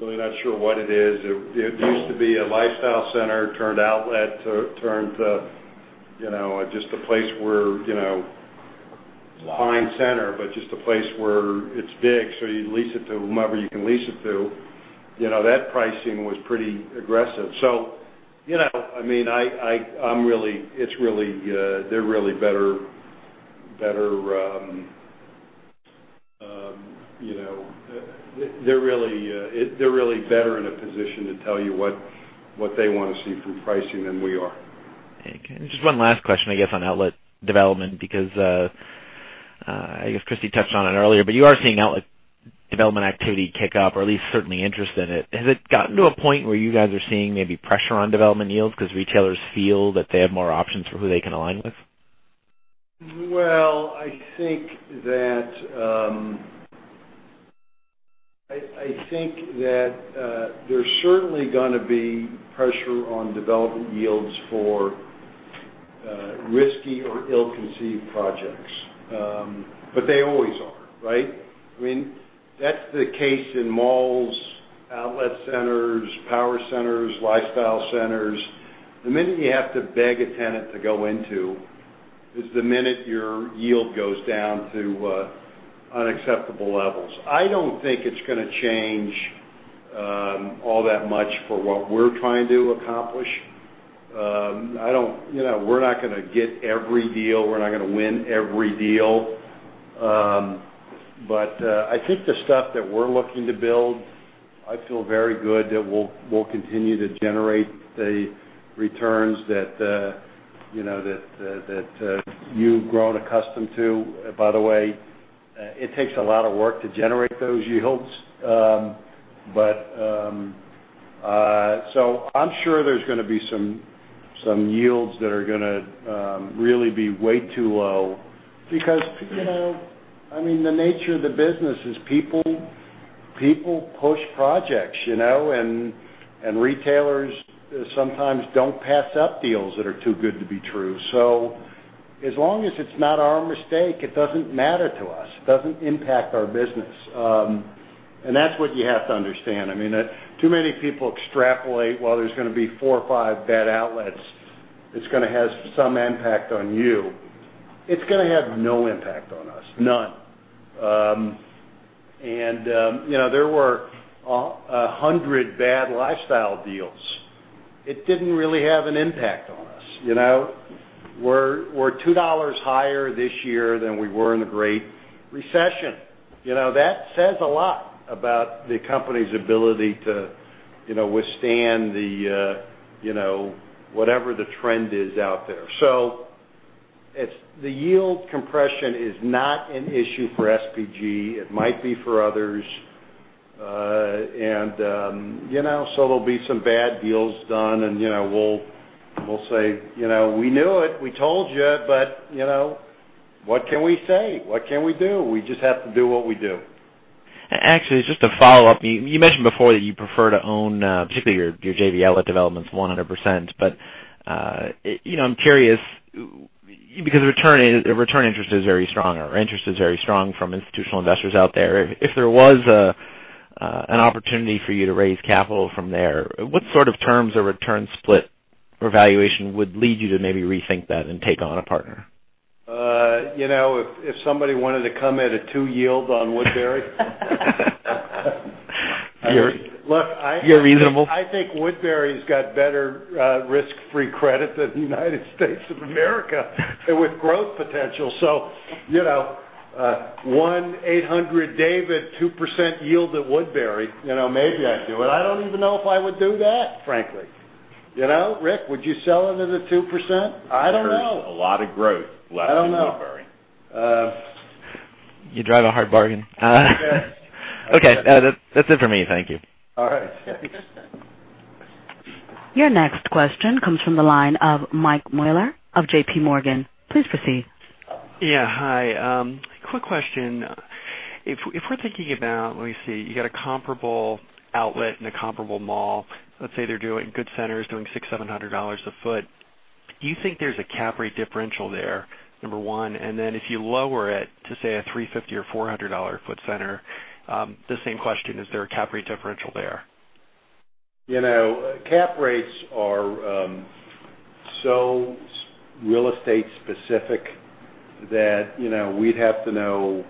really not sure what it is. It used to be a lifestyle center, turned outlet, turned to just a place where it's big, so you lease it to whomever you can lease it to. That pricing was pretty aggressive. They're really better in a position to tell you what they want to see from pricing than we are. Okay. Just one last question, I guess, on outlet development, because I guess Christy touched on it earlier, you are seeing outlet development activity kick up or at least certainly interest in it. Has it gotten to a point where you guys are seeing maybe pressure on development yields because retailers feel that they have more options for who they can align with? Well, I think that there's certainly going to be pressure on development yields for risky or ill-conceived projects. They always are, right? That's the case in malls, outlet centers, power centers, lifestyle centers. The minute you have to beg a tenant to go into is the minute your yield goes down to unacceptable levels. I don't think it's going to change all that much for what we're trying to accomplish. We're not going to get every deal. We're not going to win every deal. I think the stuff that we're looking to build, I feel very good that we'll continue to generate the returns that you've grown accustomed to. By the way, it takes a lot of work to generate those yields. I'm sure there's going to be some yields that are going to really be way too low because the nature of the business is people push projects, and retailers sometimes don't pass up deals that are too good to be true. As long as it's not our mistake, it doesn't matter to us. It doesn't impact our business. That's what you have to understand. Too many people extrapolate, well, there's going to be four or five bad outlets. It's going to have some impact on you. It's going to have no impact on us. None. There were 100 bad lifestyle deals. It didn't really have an impact on us. We're $2 higher this year than we were in the Great Recession. That says a lot about the company's ability to withstand whatever the trend is out there. The yield compression is not an issue for SPG. It might be for others. There'll be some bad deals done, and we'll say, "We knew it. We told you." What can we say? What can we do? We just have to do what we do. Actually, just a follow-up. You mentioned before that you prefer to own, particularly your JV outlet developments, 100%. I'm curious because return interest is very strong, or interest is very strong from institutional investors out there. If there was an opportunity for you to raise capital from there, what sort of terms or return split or valuation would lead you to maybe rethink that and take on a partner? If somebody wanted to come at a two yield on Woodbury You're reasonable. Look, I think Woodbury's got better risk-free credit than the United States of America, and with growth potential. 1-800-DAVID, 2% yield at Woodbury, maybe I'd do it. I don't even know if I would do that, frankly. Rick, would you sell it at a 2%? I don't know. There's a lot of growth left in Woodbury. I don't know. You drive a hard bargain. Yes. Okay. That's it for me. Thank you. All right. Thanks. Your next question comes from the line of Mike Mueller of JPMorgan. Please proceed. Yeah. Hi. Quick question. If we're thinking about, let me see, you got a comparable outlet and a comparable mall. Let's say they're doing good centers, doing $600, $700 a foot. Do you think there's a cap rate differential there, number one? If you lower it to, say, a $350 or $400 foot center, the same question, is there a cap rate differential there? Cap rates are so real estate specific that we'd have to know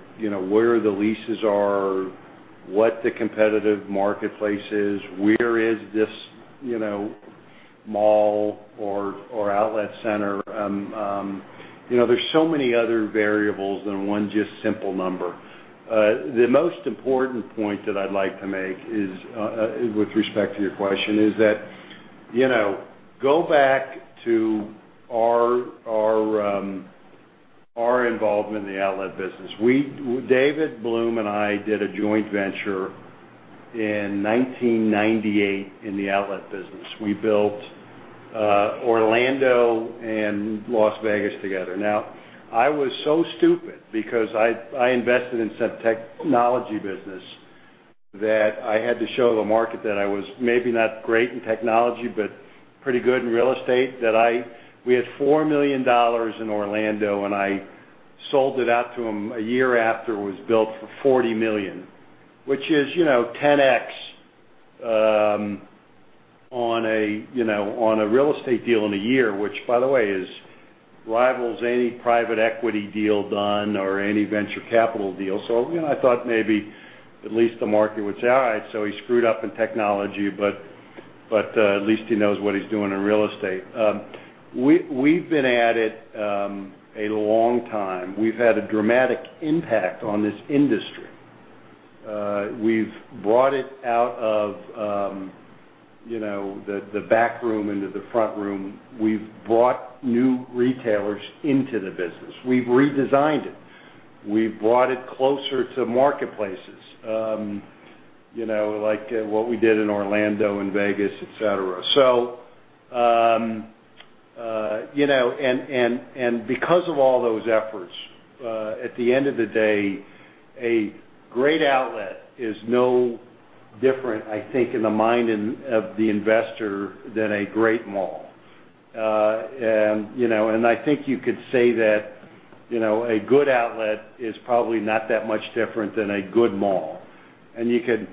where the leases are, what the competitive marketplace is, where is this mall or outlet center. There's so many other variables than one just simple number. The most important point that I'd like to make with respect to your question is that, go back to our involvement in the outlet business. David Bloom and I did a joint venture in 1998 in the outlet business. We built Orlando and Las Vegas together. I was so stupid because I invested in some technology business that I had to show the market that I was maybe not great in technology, but pretty good in real estate. We had $4 million in Orlando, and I sold it out to them a year after it was built for $40 million, which is 10x on a real estate deal in a year, which by the way, rivals any private equity deal done or any venture capital deal. I thought maybe at least the market would say, "All right, so he screwed up in technology, but at least he knows what he's doing in real estate." We've been at it a long time. We've had a dramatic impact on this industry. We've brought it out of the back room into the front room. We've brought new retailers into the business. We've redesigned it. We've brought it closer to marketplaces, like what we did in Orlando and Vegas, et cetera. Because of all those efforts, at the end of the day, a great outlet is no different, I think, in the mind of the investor, than a great mall. I think you could say that a good outlet is probably not that much different than a good mall. You could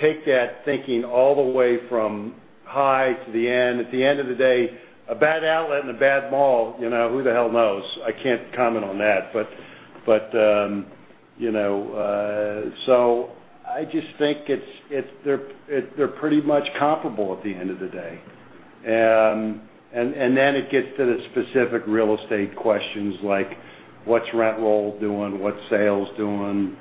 take that thinking all the way from high to the end. At the end of the day, a bad outlet and a bad mall, who the hell knows? I can't comment on that, but I just think they're pretty much comparable at the end of the day. It gets to the specific real estate questions like what's rent roll doing, what's sales doing,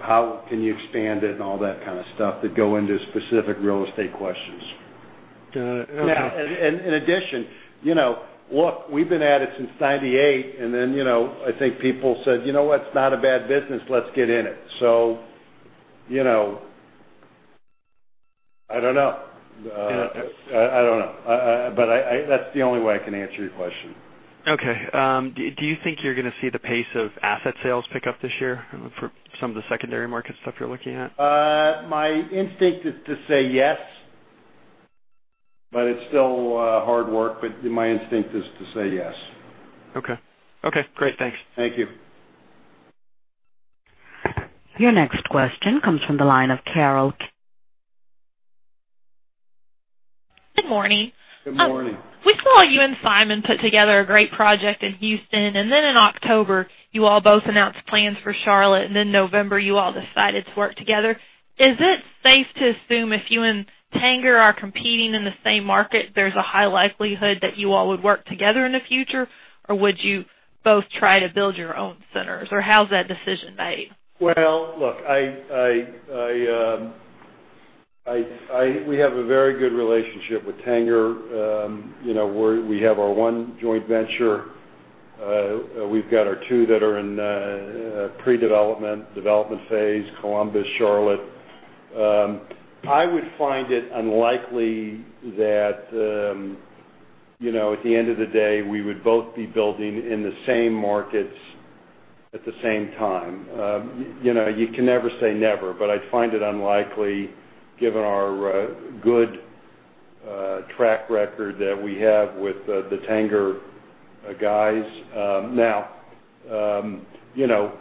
how can you expand it, and all that kind of stuff that go into specific real estate questions. Got it. Okay. In addition, look, we've been at it since 1998, and then I think people said, "You know what? It's not a bad business. Let's get in it." I don't know. Yeah. I don't know. That's the only way I can answer your question. Okay. Do you think you're going to see the pace of asset sales pick up this year for some of the secondary market stuff you're looking at? My instinct is to say yes, but it's still hard work. My instinct is to say yes. Okay. Okay, great. Thanks. Thank you. Your next question comes from the line of Carol. Good morning. Good morning. We saw you and Simon put together a great project in Houston, in October, you all both announced plans for Charlotte. November, you all decided to work together. Is it safe to assume if you and Tanger are competing in the same market, there's a high likelihood that you all would work together in the future, or would you both try to build your own centers, or how's that decision made? Well, look, we have a very good relationship with Tanger. We have our one joint venture. We've got our two that are in pre-development, development phase, Columbus, Charlotte. I would find it unlikely that at the end of the day, we would both be building in the same markets at the same time. You can never say never, but I'd find it unlikely given our good track record that we have with the Tanger guys. Now,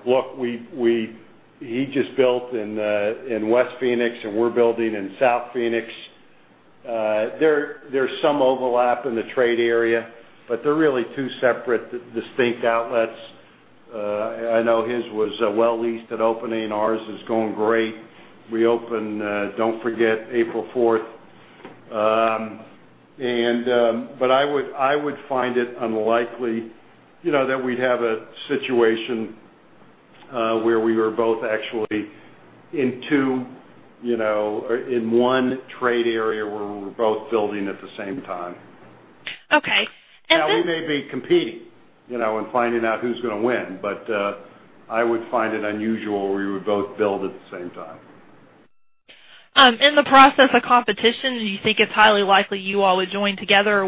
look, he just built in West Phoenix, and we're building in South Phoenix. There's some overlap in the trade area, but they're really two separate, distinct outlets. I know his was well leased at opening. Ours is going great. We open, don't forget, April 4th. I would find it unlikely that we'd have a situation where we were both actually in one trade area where we're both building at the same time. Okay. Now, we may be competing and finding out who's going to win, but I would find it unusual we would both build at the same time. In the process of competition, do you think it's highly likely you all would join together?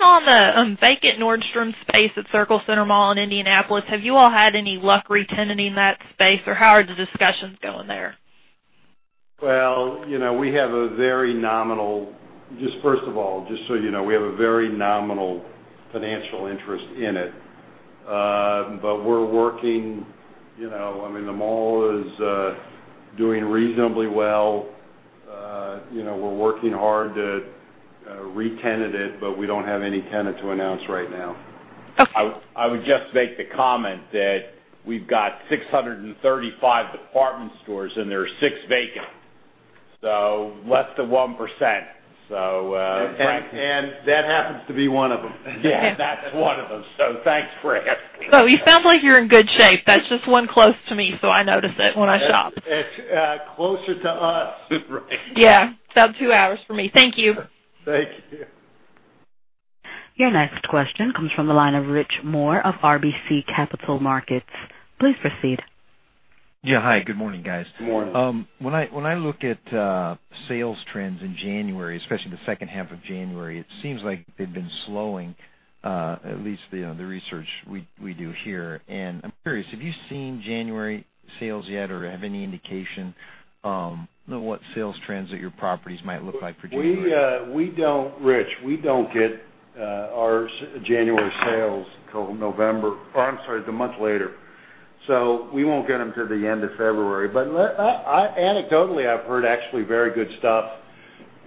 On the vacant Nordstrom space at Circle Centre Mall in Indianapolis, have you all had any luck re-tenanting that space, or how are the discussions going there? Well, first of all, just so you know, we have a very nominal financial interest in it. We're working. The mall is doing reasonably well. We're working hard to re-tenant it, we don't have any tenant to announce right now. Okay. I would just make the comment that we've got 635 department stores, there are six vacant, less than 1%. That happens to be one of them. Yeah, that's one of them. Thanks for asking. You sound like you're in good shape. That's just one close to me, so I notice it when I shop. It's closer to us. Right. Yeah. It's about two hours for me. Thank you. Thank you. Your next question comes from the line of Rich Moore of RBC Capital Markets. Please proceed. Yeah. Hi, good morning, guys. Good morning. When I look at sales trends in January, especially the second half of January, it seems like they've been slowing, at least the research we do here. I'm curious, have you seen January sales yet or have any indication of what sales trends at your properties might look like for January? Rich, we don't get our January sales until a month later. We won't get them till the end of February. Anecdotally, I've heard actually very good stuff.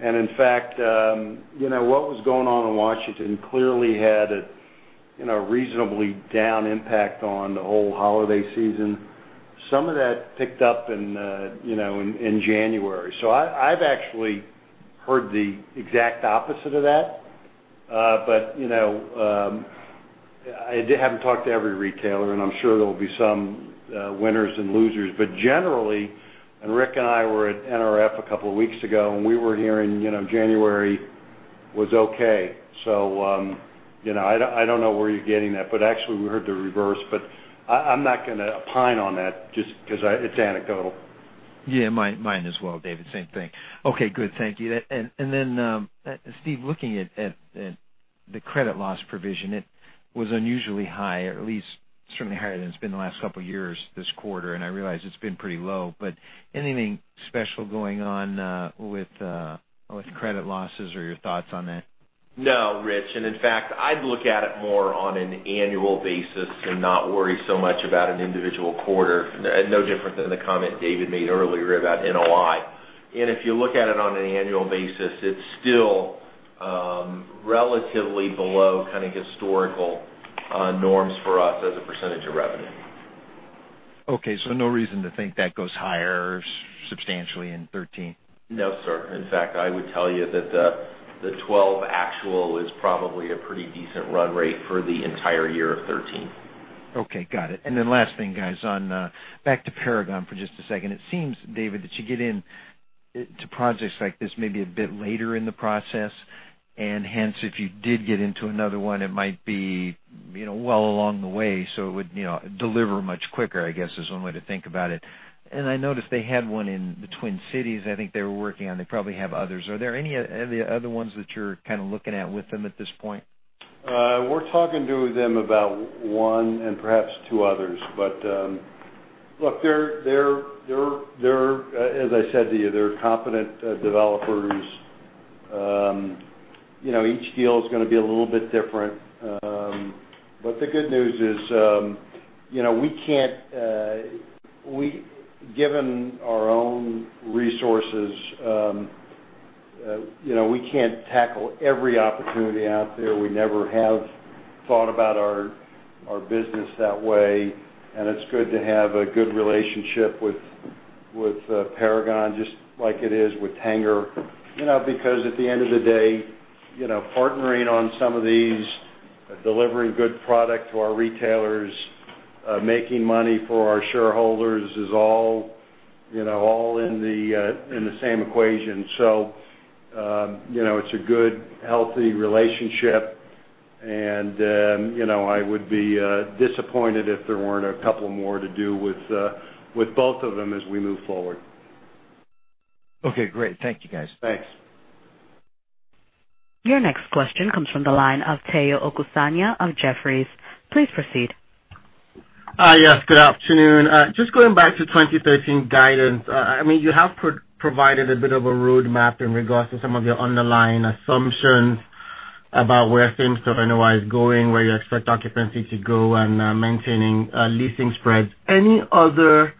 In fact, what was going on in Washington clearly had a reasonably down impact on the whole holiday season. Some of that picked up in January. I've actually heard the exact opposite of that. I haven't talked to every retailer, and I'm sure there'll be some winners and losers, but generally, Rick and I were at NRF a couple of weeks ago, and we were hearing January was okay. I don't know where you're getting that, but actually we heard the reverse. I'm not going to opine on that just because it's anecdotal. Yeah, mine as well, David, same thing. Okay, good. Thank you. Steve, looking at the credit loss provision, it was unusually high, or at least certainly higher than it's been the last couple of years this quarter, and I realize it's been pretty low. Anything special going on with credit losses or your thoughts on that? No, Rich. In fact, I'd look at it more on an annual basis and not worry so much about an individual quarter. No different than the comment David made earlier about NOI. If you look at it on an annual basis, it's still relatively below historical norms for us as a percentage of revenue. Okay, no reason to think that goes higher substantially in 2013? No, sir. In fact, I would tell you that the 2012 actual is probably a pretty decent run rate for the entire year of 2013. Last thing, guys, back to Paragon for just a second. It seems, David, that you get into projects like this maybe a bit later in the process, and hence, if you did get into another one, it might be well along the way, so it would deliver much quicker, I guess, is one way to think about it. I noticed they had one in the Twin Cities, I think they were working on. They probably have others. Are there any other ones that you're kind of looking at with them at this point? Look, as I said to you, they're competent developers. Each deal is going to be a little bit different. The good news is, given our own resources, we can't tackle every opportunity out there. We never have thought about our business that way, and it's good to have a good relationship with Paragon, just like it is with Tanger. At the end of the day, partnering on some of these, delivering good product to our retailers, making money for our shareholders is all in the same equation. It's a good, healthy relationship, and I would be disappointed if there weren't a couple more to do with both of them as we move forward. Great. Thank you, guys. Thanks. Your next question comes from the line of Tayo Okusanya of Jefferies. Please proceed. Hi. Yes, good afternoon. Just going back to 2013 guidance. You have provided a bit of a roadmap in regards to some of your underlying assumptions about where same-store NOI is going, where you expect occupancy to go on maintaining leasing spreads. Any other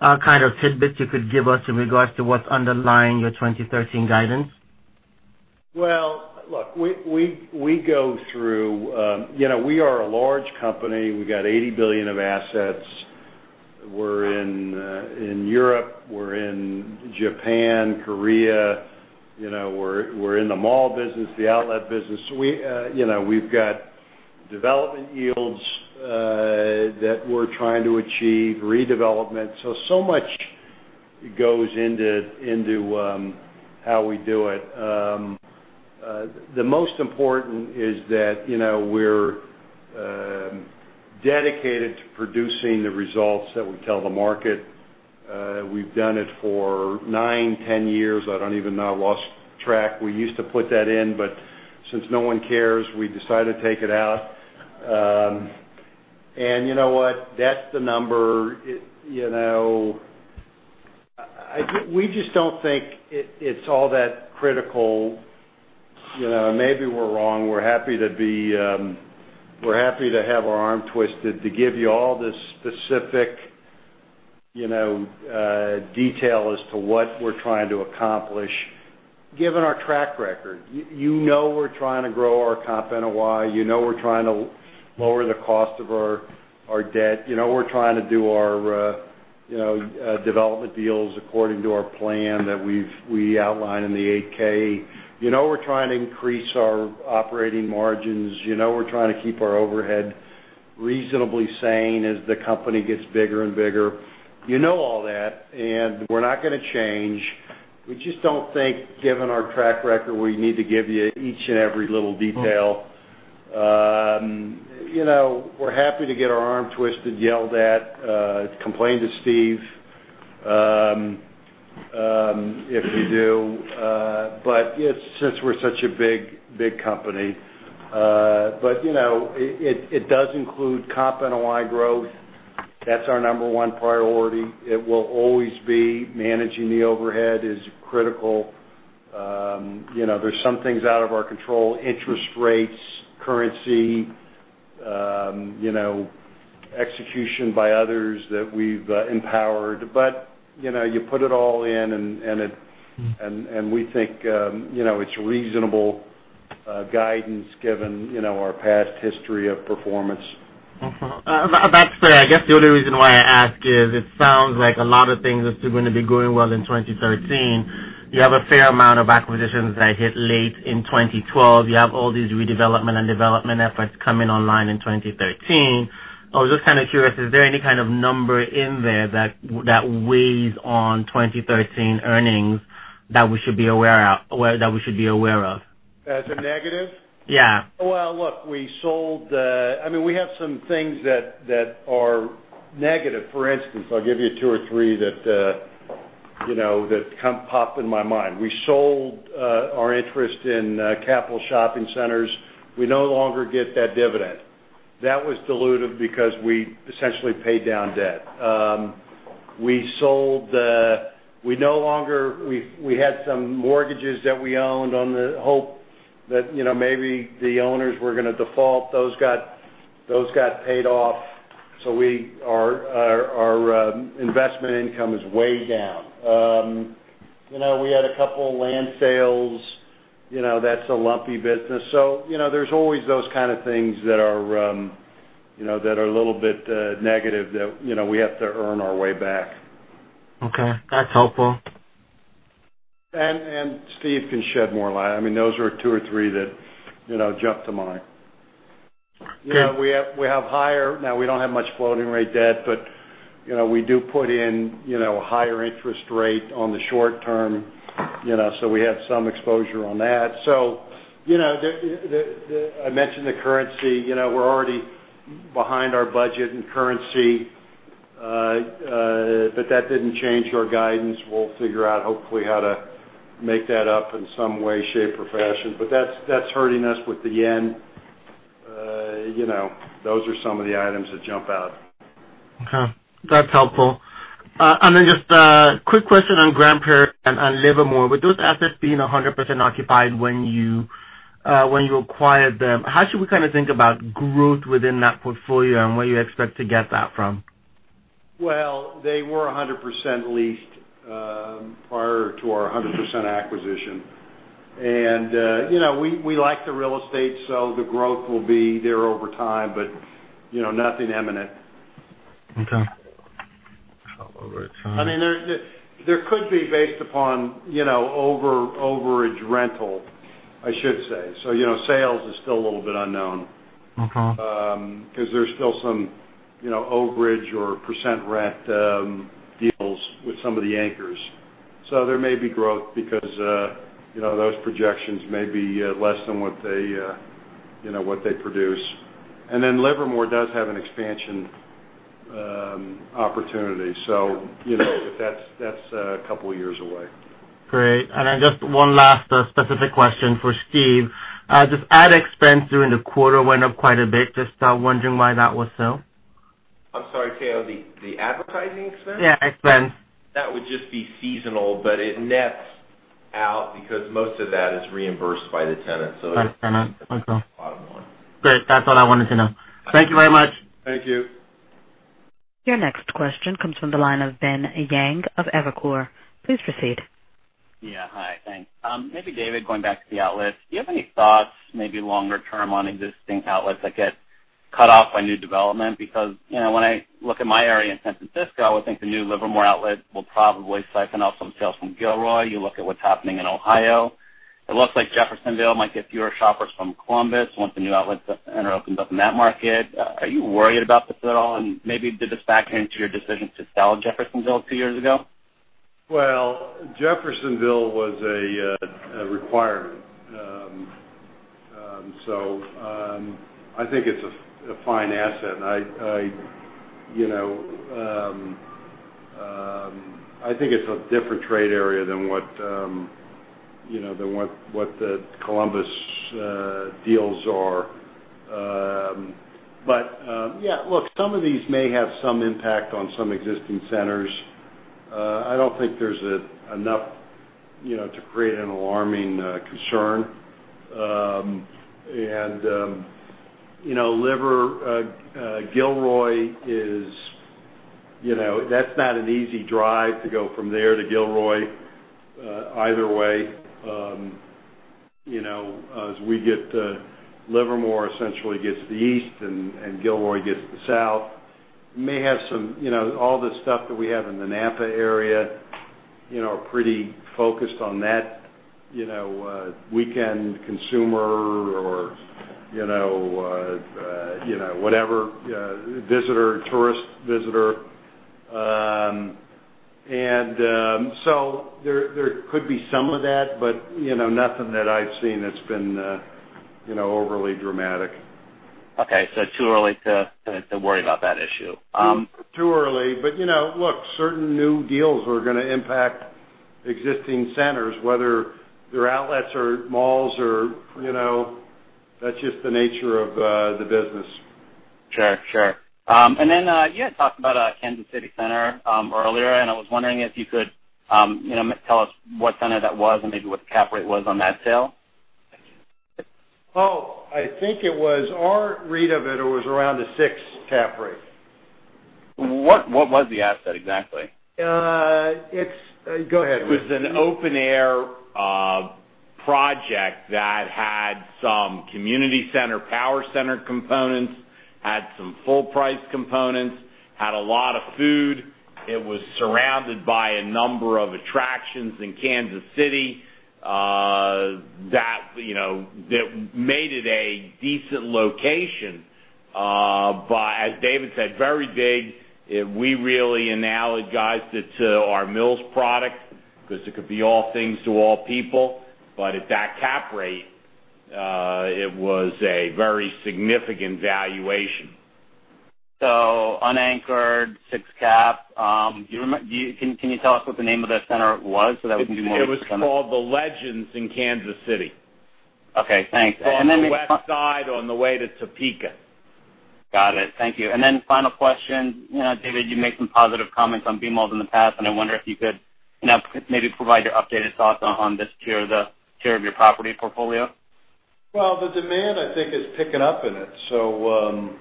kind of tidbits you could give us in regards to what's underlying your 2013 guidance? Look, we are a large company. We got $80 billion of assets. We're in Europe, we're in Japan, Korea. We're in the mall business, the outlet business. We've got development yields that we're trying to achieve, redevelopment. Much goes into how we do it. The most important is that we're dedicated to producing the results that we tell the market. We've done it for nine, 10 years. I don't even know, I lost track. We used to put that in, since no one cares, we decided to take it out. You know what? That's the number. We just don't think it's all that critical. Maybe we're wrong. We're happy to have our arm twisted to give you all the specific detail as to what we're trying to accomplish, given our track record. You know we're trying to grow our comp NOI. You know we're trying to lower the cost of our debt. You know we're trying to do our development deals according to our plan that we outlined in the 8-K. You know we're trying to increase our operating margins. You know we're trying to keep our overhead reasonably sane as the company gets bigger and bigger. You know all that. We're not going to change. We just don't think, given our track record, we need to give you each and every little detail. We're happy to get our arm twisted, yelled at, complain to Steve, if you do. Since we're such a big company. It does include comp and aligned growth. That's our number one priority. It will always be. Managing the overhead is critical. There's some things out of our control, interest rates, currency, execution by others that we've empowered. You put it all in, we think it's reasonable guidance given our past history of performance. Mm-hmm. About that, I guess the only reason why I ask is, it sounds like a lot of things are still going to be going well in 2013. You have a fair amount of acquisitions that hit late in 2012. You have all these redevelopment and development efforts coming online in 2013. I was just kind of curious, is there any kind of number in there that weighs on 2013 earnings that we should be aware of? As a negative? Yeah. Well, look, we have some things that are negative. For instance, I'll give you two or three that pop in my mind. We sold our interest in Capital Shopping Centres. We no longer get that dividend. That was dilutive because we essentially paid down debt. We had some mortgages that we owned on the hope that maybe the owners were going to default. Those got paid off. Our investment income is way down. We had a couple land sales. That's a lumpy business. There's always those kind of things that are a little bit negative that we have to earn our way back. Okay. That's helpful. Steve can shed more light. Those are two or three that jump to mind. Great. We don't have much floating rate debt, but we do put in a higher interest rate on the short term, so we have some exposure on that. I mentioned the currency. We're already behind our budget and currency. That didn't change our guidance. We'll figure out, hopefully, how to make that up in some way, shape, or fashion. That's hurting us with the yen. Those are some of the items that jump out. That's helpful. Just a quick question on Grand Prairie and on Livermore. With those assets being 100% occupied when you acquired them, how should we kind of think about growth within that portfolio and where you expect to get that from? They were 100% leased prior to our 100% acquisition. We like the real estate, so the growth will be there over time, but nothing imminent. Okay. Over time. There could be based upon overage rental, I should say. Sales is still a little bit unknown. Okay. There's still some overage or percent rent deals with some of the anchors. There may be growth because those projections may be less than what they produce. Livermore does have an expansion opportunity. But that's a couple of years away. Great. Just one last specific question for Steve. Just ad expense during the quarter went up quite a bit. Just wondering why that was so. I'm sorry, Tayo, the advertising expense? Yeah, expense. That would just be seasonal, but it nets out because most of that is reimbursed by the tenant. By the tenant. Okay. It's bottom line. Great. That's all I wanted to know. Thank you very much. Thank you. Your next question comes from the line of Benjamin Yang of Evercore. Please proceed. Yeah. Hi, thanks. Maybe David, going back to the outlets, do you have any thoughts, maybe longer term, on existing outlets that get cut off by new development? Because when I look at my area in San Francisco, I would think the new Livermore Outlet will probably siphon off some sales from Gilroy. You look at what's happening in Ohio. It looks like Jeffersonville might get fewer shoppers from Columbus once the new outlet center opens up in that market. Are you worried about this at all, and maybe did this factor into your decision to sell Jeffersonville two years ago? Jeffersonville was a requirement. I think it's a fine asset. I think it's a different trade area than what the Columbus deals are. Yeah, look, some of these may have some impact on some existing centers. I don't think there's enough to create an alarming concern. Gilroy, that's not an easy drive to go from there to Gilroy either way. Livermore essentially gets the east and Gilroy gets the south. All the stuff that we have in the Napa area are pretty focused on that Weekend consumer or whatever visitor, tourist visitor. There could be some of that, but nothing that I've seen that's been overly dramatic. Okay. Too early to worry about that issue. Too early, look, certain new deals are going to impact existing centers, whether they're outlets or malls. That's just the nature of the business. Sure. You had talked about a Kansas City center earlier, I was wondering if you could tell us what center that was and maybe what the cap rate was on that sale. I think, our read of it was around a six cap rate. What was the asset exactly? Go ahead. It was an open-air project that had some community center, power center components, had some full-price components, had a lot of food. It was surrounded by a number of attractions in Kansas City, that made it a decent location. As David said, very big. We really analogized it to our Mills product because it could be all things to all people. At that cap rate, it was a very significant valuation. Unanchored, six cap. Can you tell us what the name of that center was so that we can be more. It was called The Legends in Kansas City. Okay, thanks. Then. On the west side, on the way to Topeka. Got it. Thank you. Final question. David, you made some positive comments on B malls in the past, and I wonder if you could maybe provide your updated thoughts on this tier of your property portfolio. Well, the demand, I think, is picking up in it. I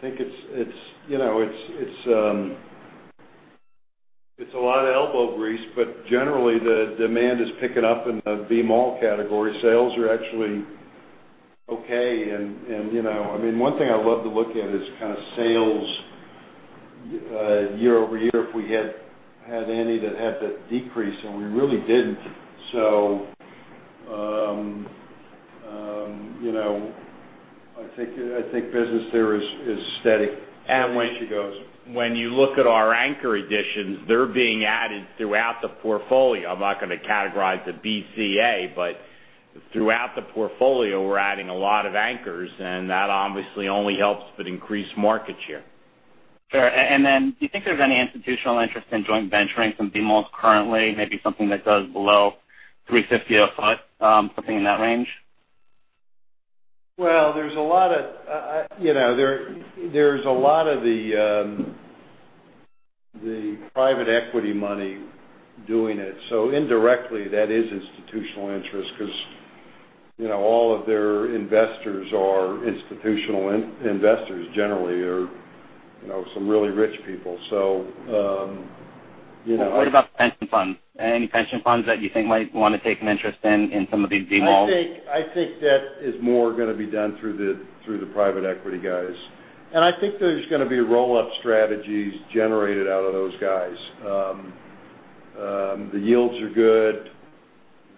think it's a lot of elbow grease, but generally, the demand is picking up in the B mall category. Sales are actually okay. One thing I love to look at is kind of sales year-over-year, if we had any that had the decrease, and we really didn't. I think business there is steady. When you look at our anchor additions, they're being added throughout the portfolio. I'm not going to categorize the BCA, but throughout the portfolio, we're adding a lot of anchors, and that obviously only helps but increase market share. Sure. Do you think there's any institutional interest in joint venturing some B malls currently, maybe something that does below 350 or something in that range? Well, there's a lot of the private equity money doing it. Indirectly, that is institutional interest because all of their investors are institutional investors, generally, or some really rich people. What about pension funds? Any pension funds that you think might want to take an interest in some of these B malls? I think that is more going to be done through the private equity guys. I think there's going to be roll-up strategies generated out of those guys. The yields are good.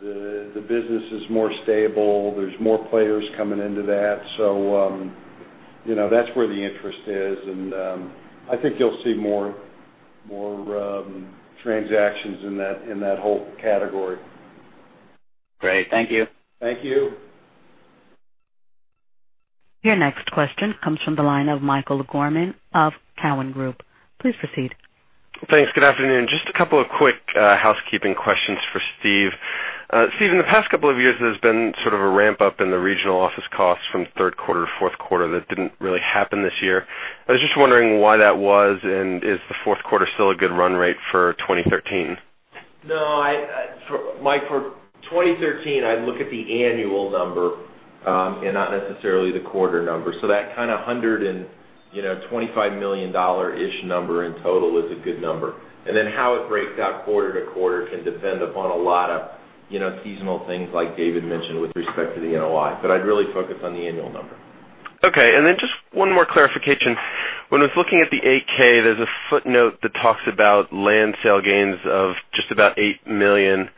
The business is more stable. There's more players coming into that. That's where the interest is, and I think you'll see more transactions in that whole category. Great. Thank you. Thank you. Your next question comes from the line of Michael Gorman of Cowen Group. Please proceed. Thanks. Good afternoon. Just a couple of quick housekeeping questions for Steve. Steve, in the past couple of years, there's been sort of a ramp-up in the regional office costs from third quarter to fourth quarter that didn't really happen this year. I was just wondering why that was, and is the fourth quarter still a good run rate for 2013? No, Mike, for 2013, I'd look at the annual number, and not necessarily the quarter number. That kind of $125 million-ish number in total is a good number. How it breaks out quarter to quarter can depend upon a lot of seasonal things like David mentioned with respect to the NOI. I'd really focus on the annual number. Okay. Just one more clarification. When I was looking at the 8-K, there's a footnote that talks about land sale gains of just about $8 million,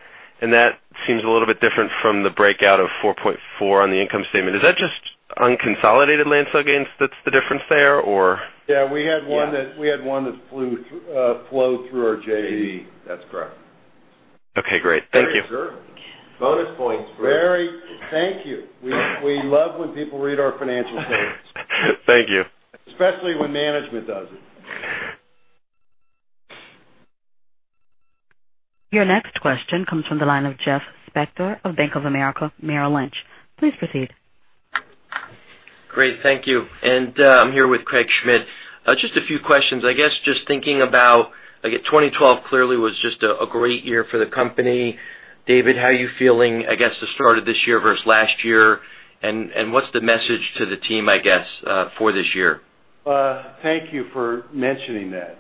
and that seems a little bit different from the breakout of $4.4 on the income statement. Is that just unconsolidated land sale gains that's the difference there or? Yeah, we had one that flowed through our JV. That's correct. Okay, great. Thank you. Very good. Bonus points. Great. Thank you. We love when people read our financial statements. Thank you. Especially when management does it. Your next question comes from the line of Jeff Spector of Bank of America Merrill Lynch. Please proceed. Great. Thank you. I'm here with Craig Schmidt. Just a few questions. I guess just thinking about, 2012 clearly was just a great year for the company. David, how are you feeling, I guess, the start of this year versus last year, and what's the message to the team, I guess, for this year? Thank you for mentioning that.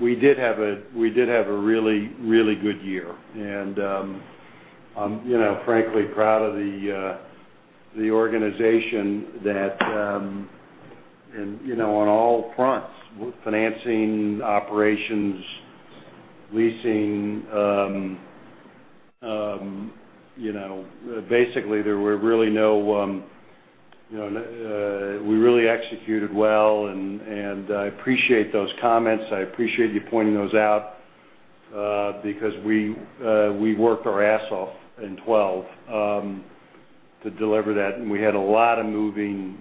We did have a really, really good year. I'm frankly proud of the organization. On all fronts, financing, operations, leasing. Basically, we really executed well, and I appreciate those comments. I appreciate you pointing those out, because we worked our ass off in 2012 to deliver that. We had a lot of moving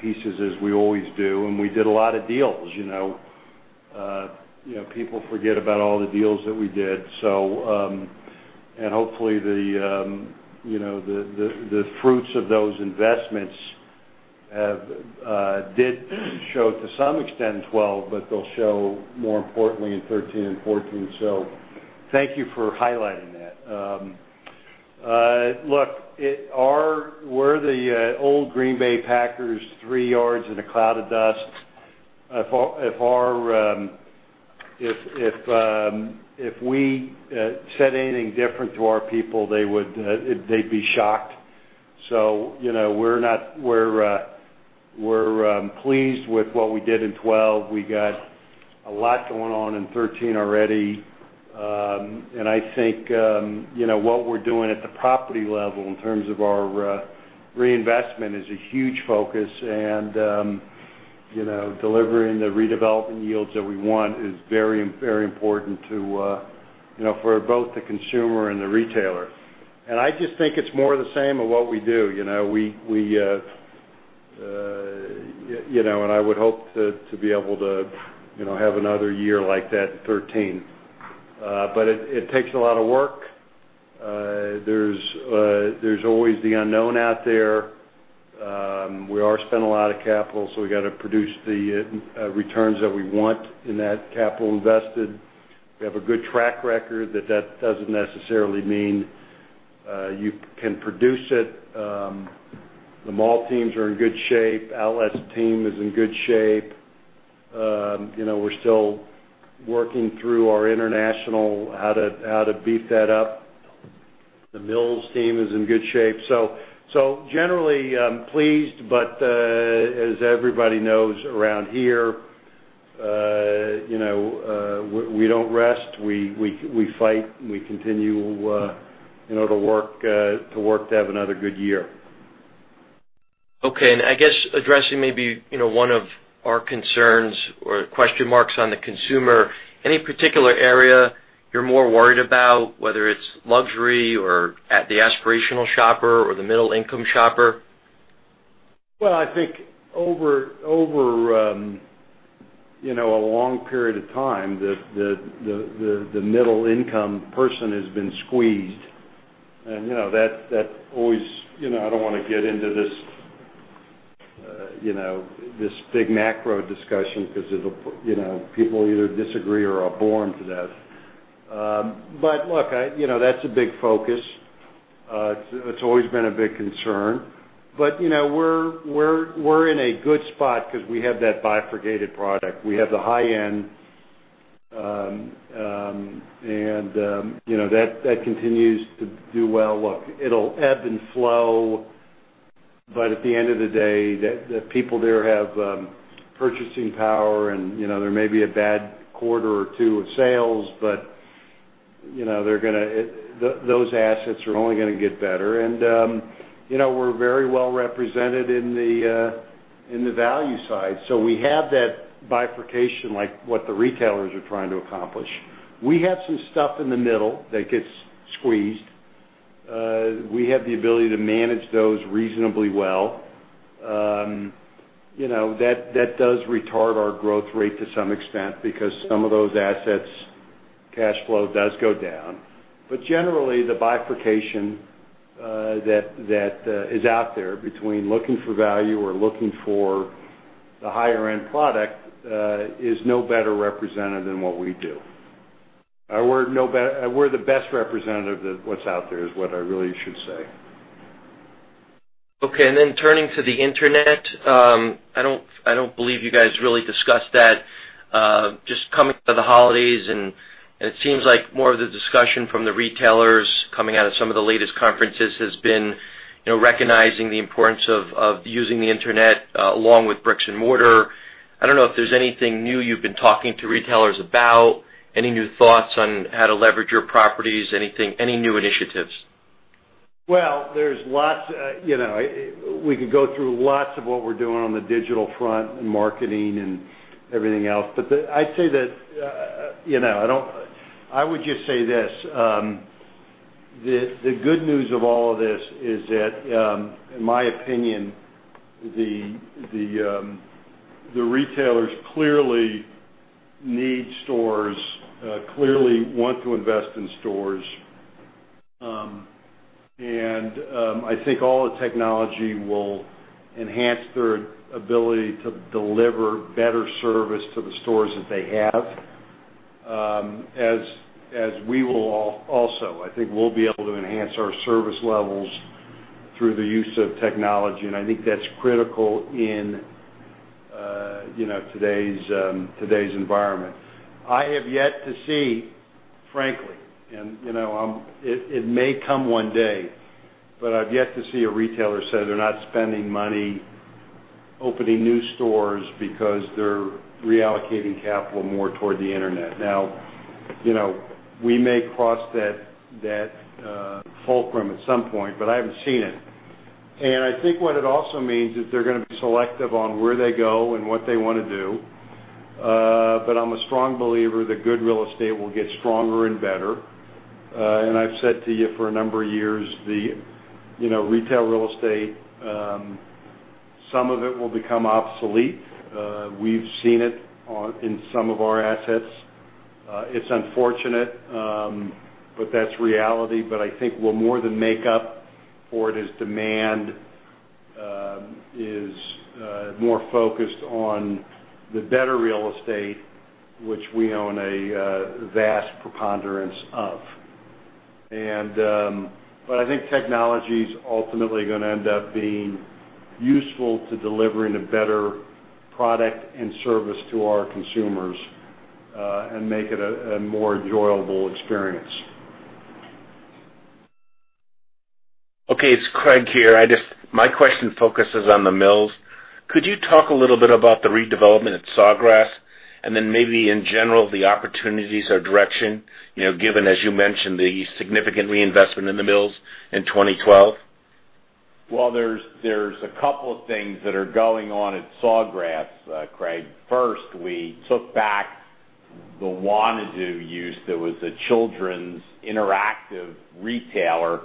pieces, as we always do, and we did a lot of deals. People forget about all the deals that we did. Hopefully, the fruits of those investments did show to some extent in 2012, but they'll show more importantly in 2013 and 2014. Thank you for highlighting that. Look, we're the old Green Bay Packers, three yards and a cloud of dust. If we said anything different to our people, they'd be shocked. We're pleased with what we did in 2012. We got a lot going on in 2013 already. I think, what we're doing at the property level in terms of our reinvestment is a huge focus, and delivering the redevelopment yields that we want is very important for both the consumer and the retailer. I just think it's more of the same of what we do. I would hope to be able to have another year like that in 2013. It takes a lot of work. There's always the unknown out there. We are spending a lot of capital, so we got to produce the returns that we want in that capital invested. We have a good track record that doesn't necessarily mean you can produce it. The mall teams are in good shape. Outlet team is in good shape. We're still working through our international how to beef that up. The Mills team is in good shape. Generally, pleased, but as everybody knows around here, we don't rest. We fight, and we continue to work to have another good year. Okay, I guess addressing maybe one of our concerns or question marks on the consumer, any particular area you're more worried about, whether it's luxury or at the aspirational shopper or the middle-income shopper? Well, I think over a long period of time, the middle-income person has been squeezed. That always I don't want to get into this big macro discussion because people either disagree or are born to that. Look, that's a big focus. It's always been a big concern. We're in a good spot because we have that bifurcated product. We have the high-end, and that continues to do well. Look, it'll ebb and flow, but at the end of the day, the people there have purchasing power, and there may be a bad quarter or two of sales, but those assets are only going to get better. We're very well represented in the value side. We have that bifurcation like what the retailers are trying to accomplish. We have some stuff in the middle that gets squeezed. We have the ability to manage those reasonably well. That does retard our growth rate to some extent because some of those assets, cash flow does go down. Generally, the bifurcation that is out there between looking for value or looking for the higher-end product is no better represented than what we do. We're the best representative of what's out there is what I really should say. Okay, turning to the internet. I don't believe you guys really discussed that. Just coming to the holidays, it seems like more of the discussion from the retailers coming out of some of the latest conferences has been recognizing the importance of using the internet along with bricks and mortar. I don't know if there's anything new you've been talking to retailers about, any new thoughts on how to leverage your properties, any new initiatives. Well, we could go through lots of what we're doing on the digital front and marketing and everything else. I would just say this. The good news of all of this is that, in my opinion, the retailers clearly need stores, clearly want to invest in stores. I think all the technology will enhance their ability to deliver better service to the stores that they have. As we will also. I think we'll be able to enhance our service levels through the use of technology, and I think that's critical in today's environment. I have yet to see Frankly, and it may come one day, but I've yet to see a retailer say they're not spending money opening new stores because they're reallocating capital more toward the internet. We may cross that fulcrum at some point, but I haven't seen it. I think what it also means is they're going to be selective on where they go and what they want to do. I'm a strong believer that good real estate will get stronger and better. I've said to you for a number of years, the retail real estate, some of it will become obsolete. We've seen it in some of our assets. It's unfortunate, but that's reality. I think we'll more than make up for it as demand is more focused on the better real estate, which we own a vast preponderance of. I think technology's ultimately going to end up being useful to delivering a better product and service to our consumers, and make it a more enjoyable experience. Okay, it's Craig here. My question focuses on the Mills. Could you talk a little bit about the redevelopment at Sawgrass and then maybe in general, the opportunities or direction, given, as you mentioned, the significant reinvestment in the Mills in 2012? Well, there's a couple of things that are going on at Sawgrass, Craig. First, we took back the Wannado use. That was a children's interactive retailer.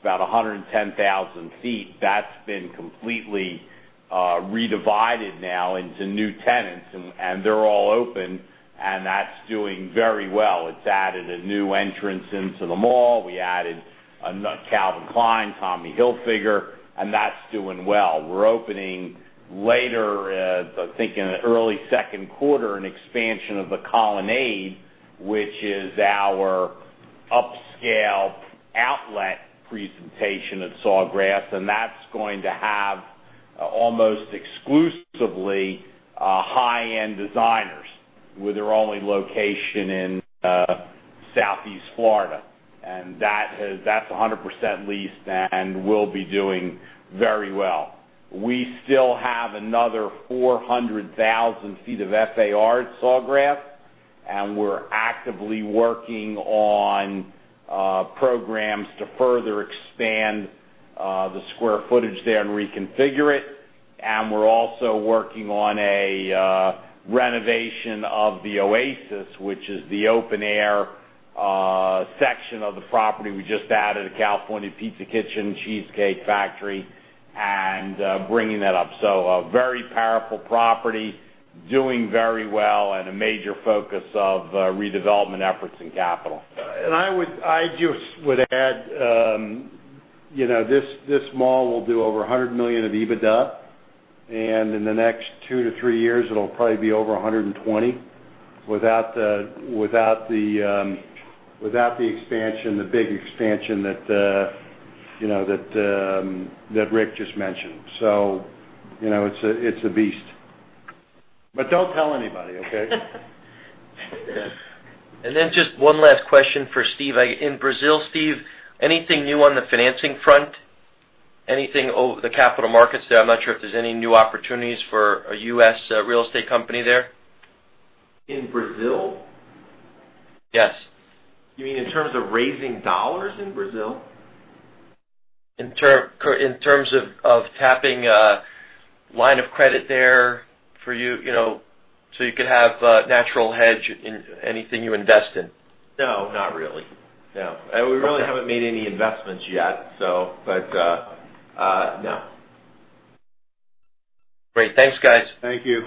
It's about 110,000 feet. That's been completely redivided now into new tenants, and they're all open, and that's doing very well. It's added a new entrance into the mall. We added a Calvin Klein, Tommy Hilfiger. That's doing well. We're opening later, I think in the early second quarter, an expansion of The Colonnade, which is our upscale outlet presentation at Sawgrass. That's going to have almost exclusively high-end designers with their only location in Southeast Florida. That's 100% leased and will be doing very well. We still have another 400,000 feet of FAR at Sawgrass. We're actively working on programs to further expand the square footage there and reconfigure it. We're also working on a renovation of The Oasis, which is the open-air section of the property. We just added a California Pizza Kitchen, Cheesecake Factory, and bringing that up. A very powerful property, doing very well, and a major focus of redevelopment efforts and capital. I just would add, this mall will do over $100 million of EBITDA, and in the next two to three years, it'll probably be over $120 without the big expansion that Rick just mentioned. It's a beast. Don't tell anybody, okay? just one last que`stion for Steve. In Brazil, Steve, anything new on the financing front? Anything over the capital markets there? I'm not sure if there's any new opportunities for a U.S. real estate company there. In Brazil? Yes. You mean in terms of raising dollars in Brazil? In terms of tapping a line of credit there so you could have a natural hedge in anything you invest in. No, not really, no. We really haven't made any investments yet. No. Great. Thanks, guys. Thank you.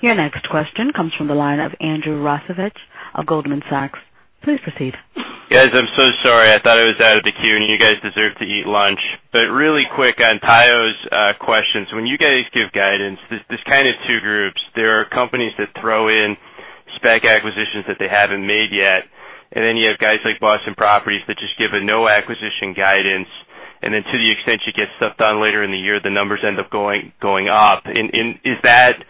Your next question comes from the line of Andrew Rosivach of Goldman Sachs. Please proceed. Guys, I'm so sorry. I thought I was out of the queue, and you guys deserve to eat lunch. Really quick on Tayo's questions. When you guys give guidance, there's kind of two groups. There are companies that throw in spec acquisitions that they haven't made yet, and then you have guys like Boston Properties that just give a no acquisition guidance, and then to the extent you get stuff done later in the year, the numbers end up going up. Is that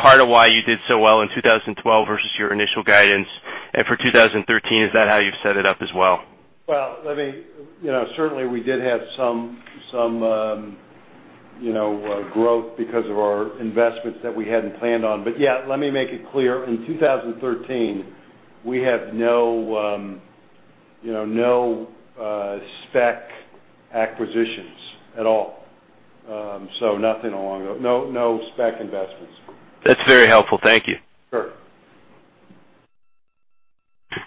part of why you did so well in 2012 versus your initial guidance? For 2013, is that how you've set it up as well? Well, certainly we did have some growth because of our investments that we hadn't planned on. Yeah, let me make it clear. In 2013, we have no spec acquisitions at all. Nothing along No spec investments. That's very helpful. Thank you. Sure.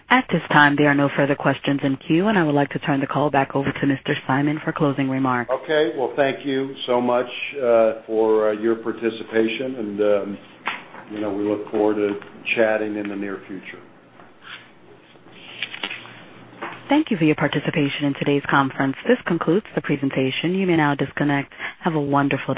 At this time, there are no further questions in queue. I would like to turn the call back over to Mr. Simon for closing remarks. Okay. Well, thank you so much for your participation, and we look forward to chatting in the near future. Thank you for your participation in today's conference. This concludes the presentation. You may now disconnect. Have a wonderful day.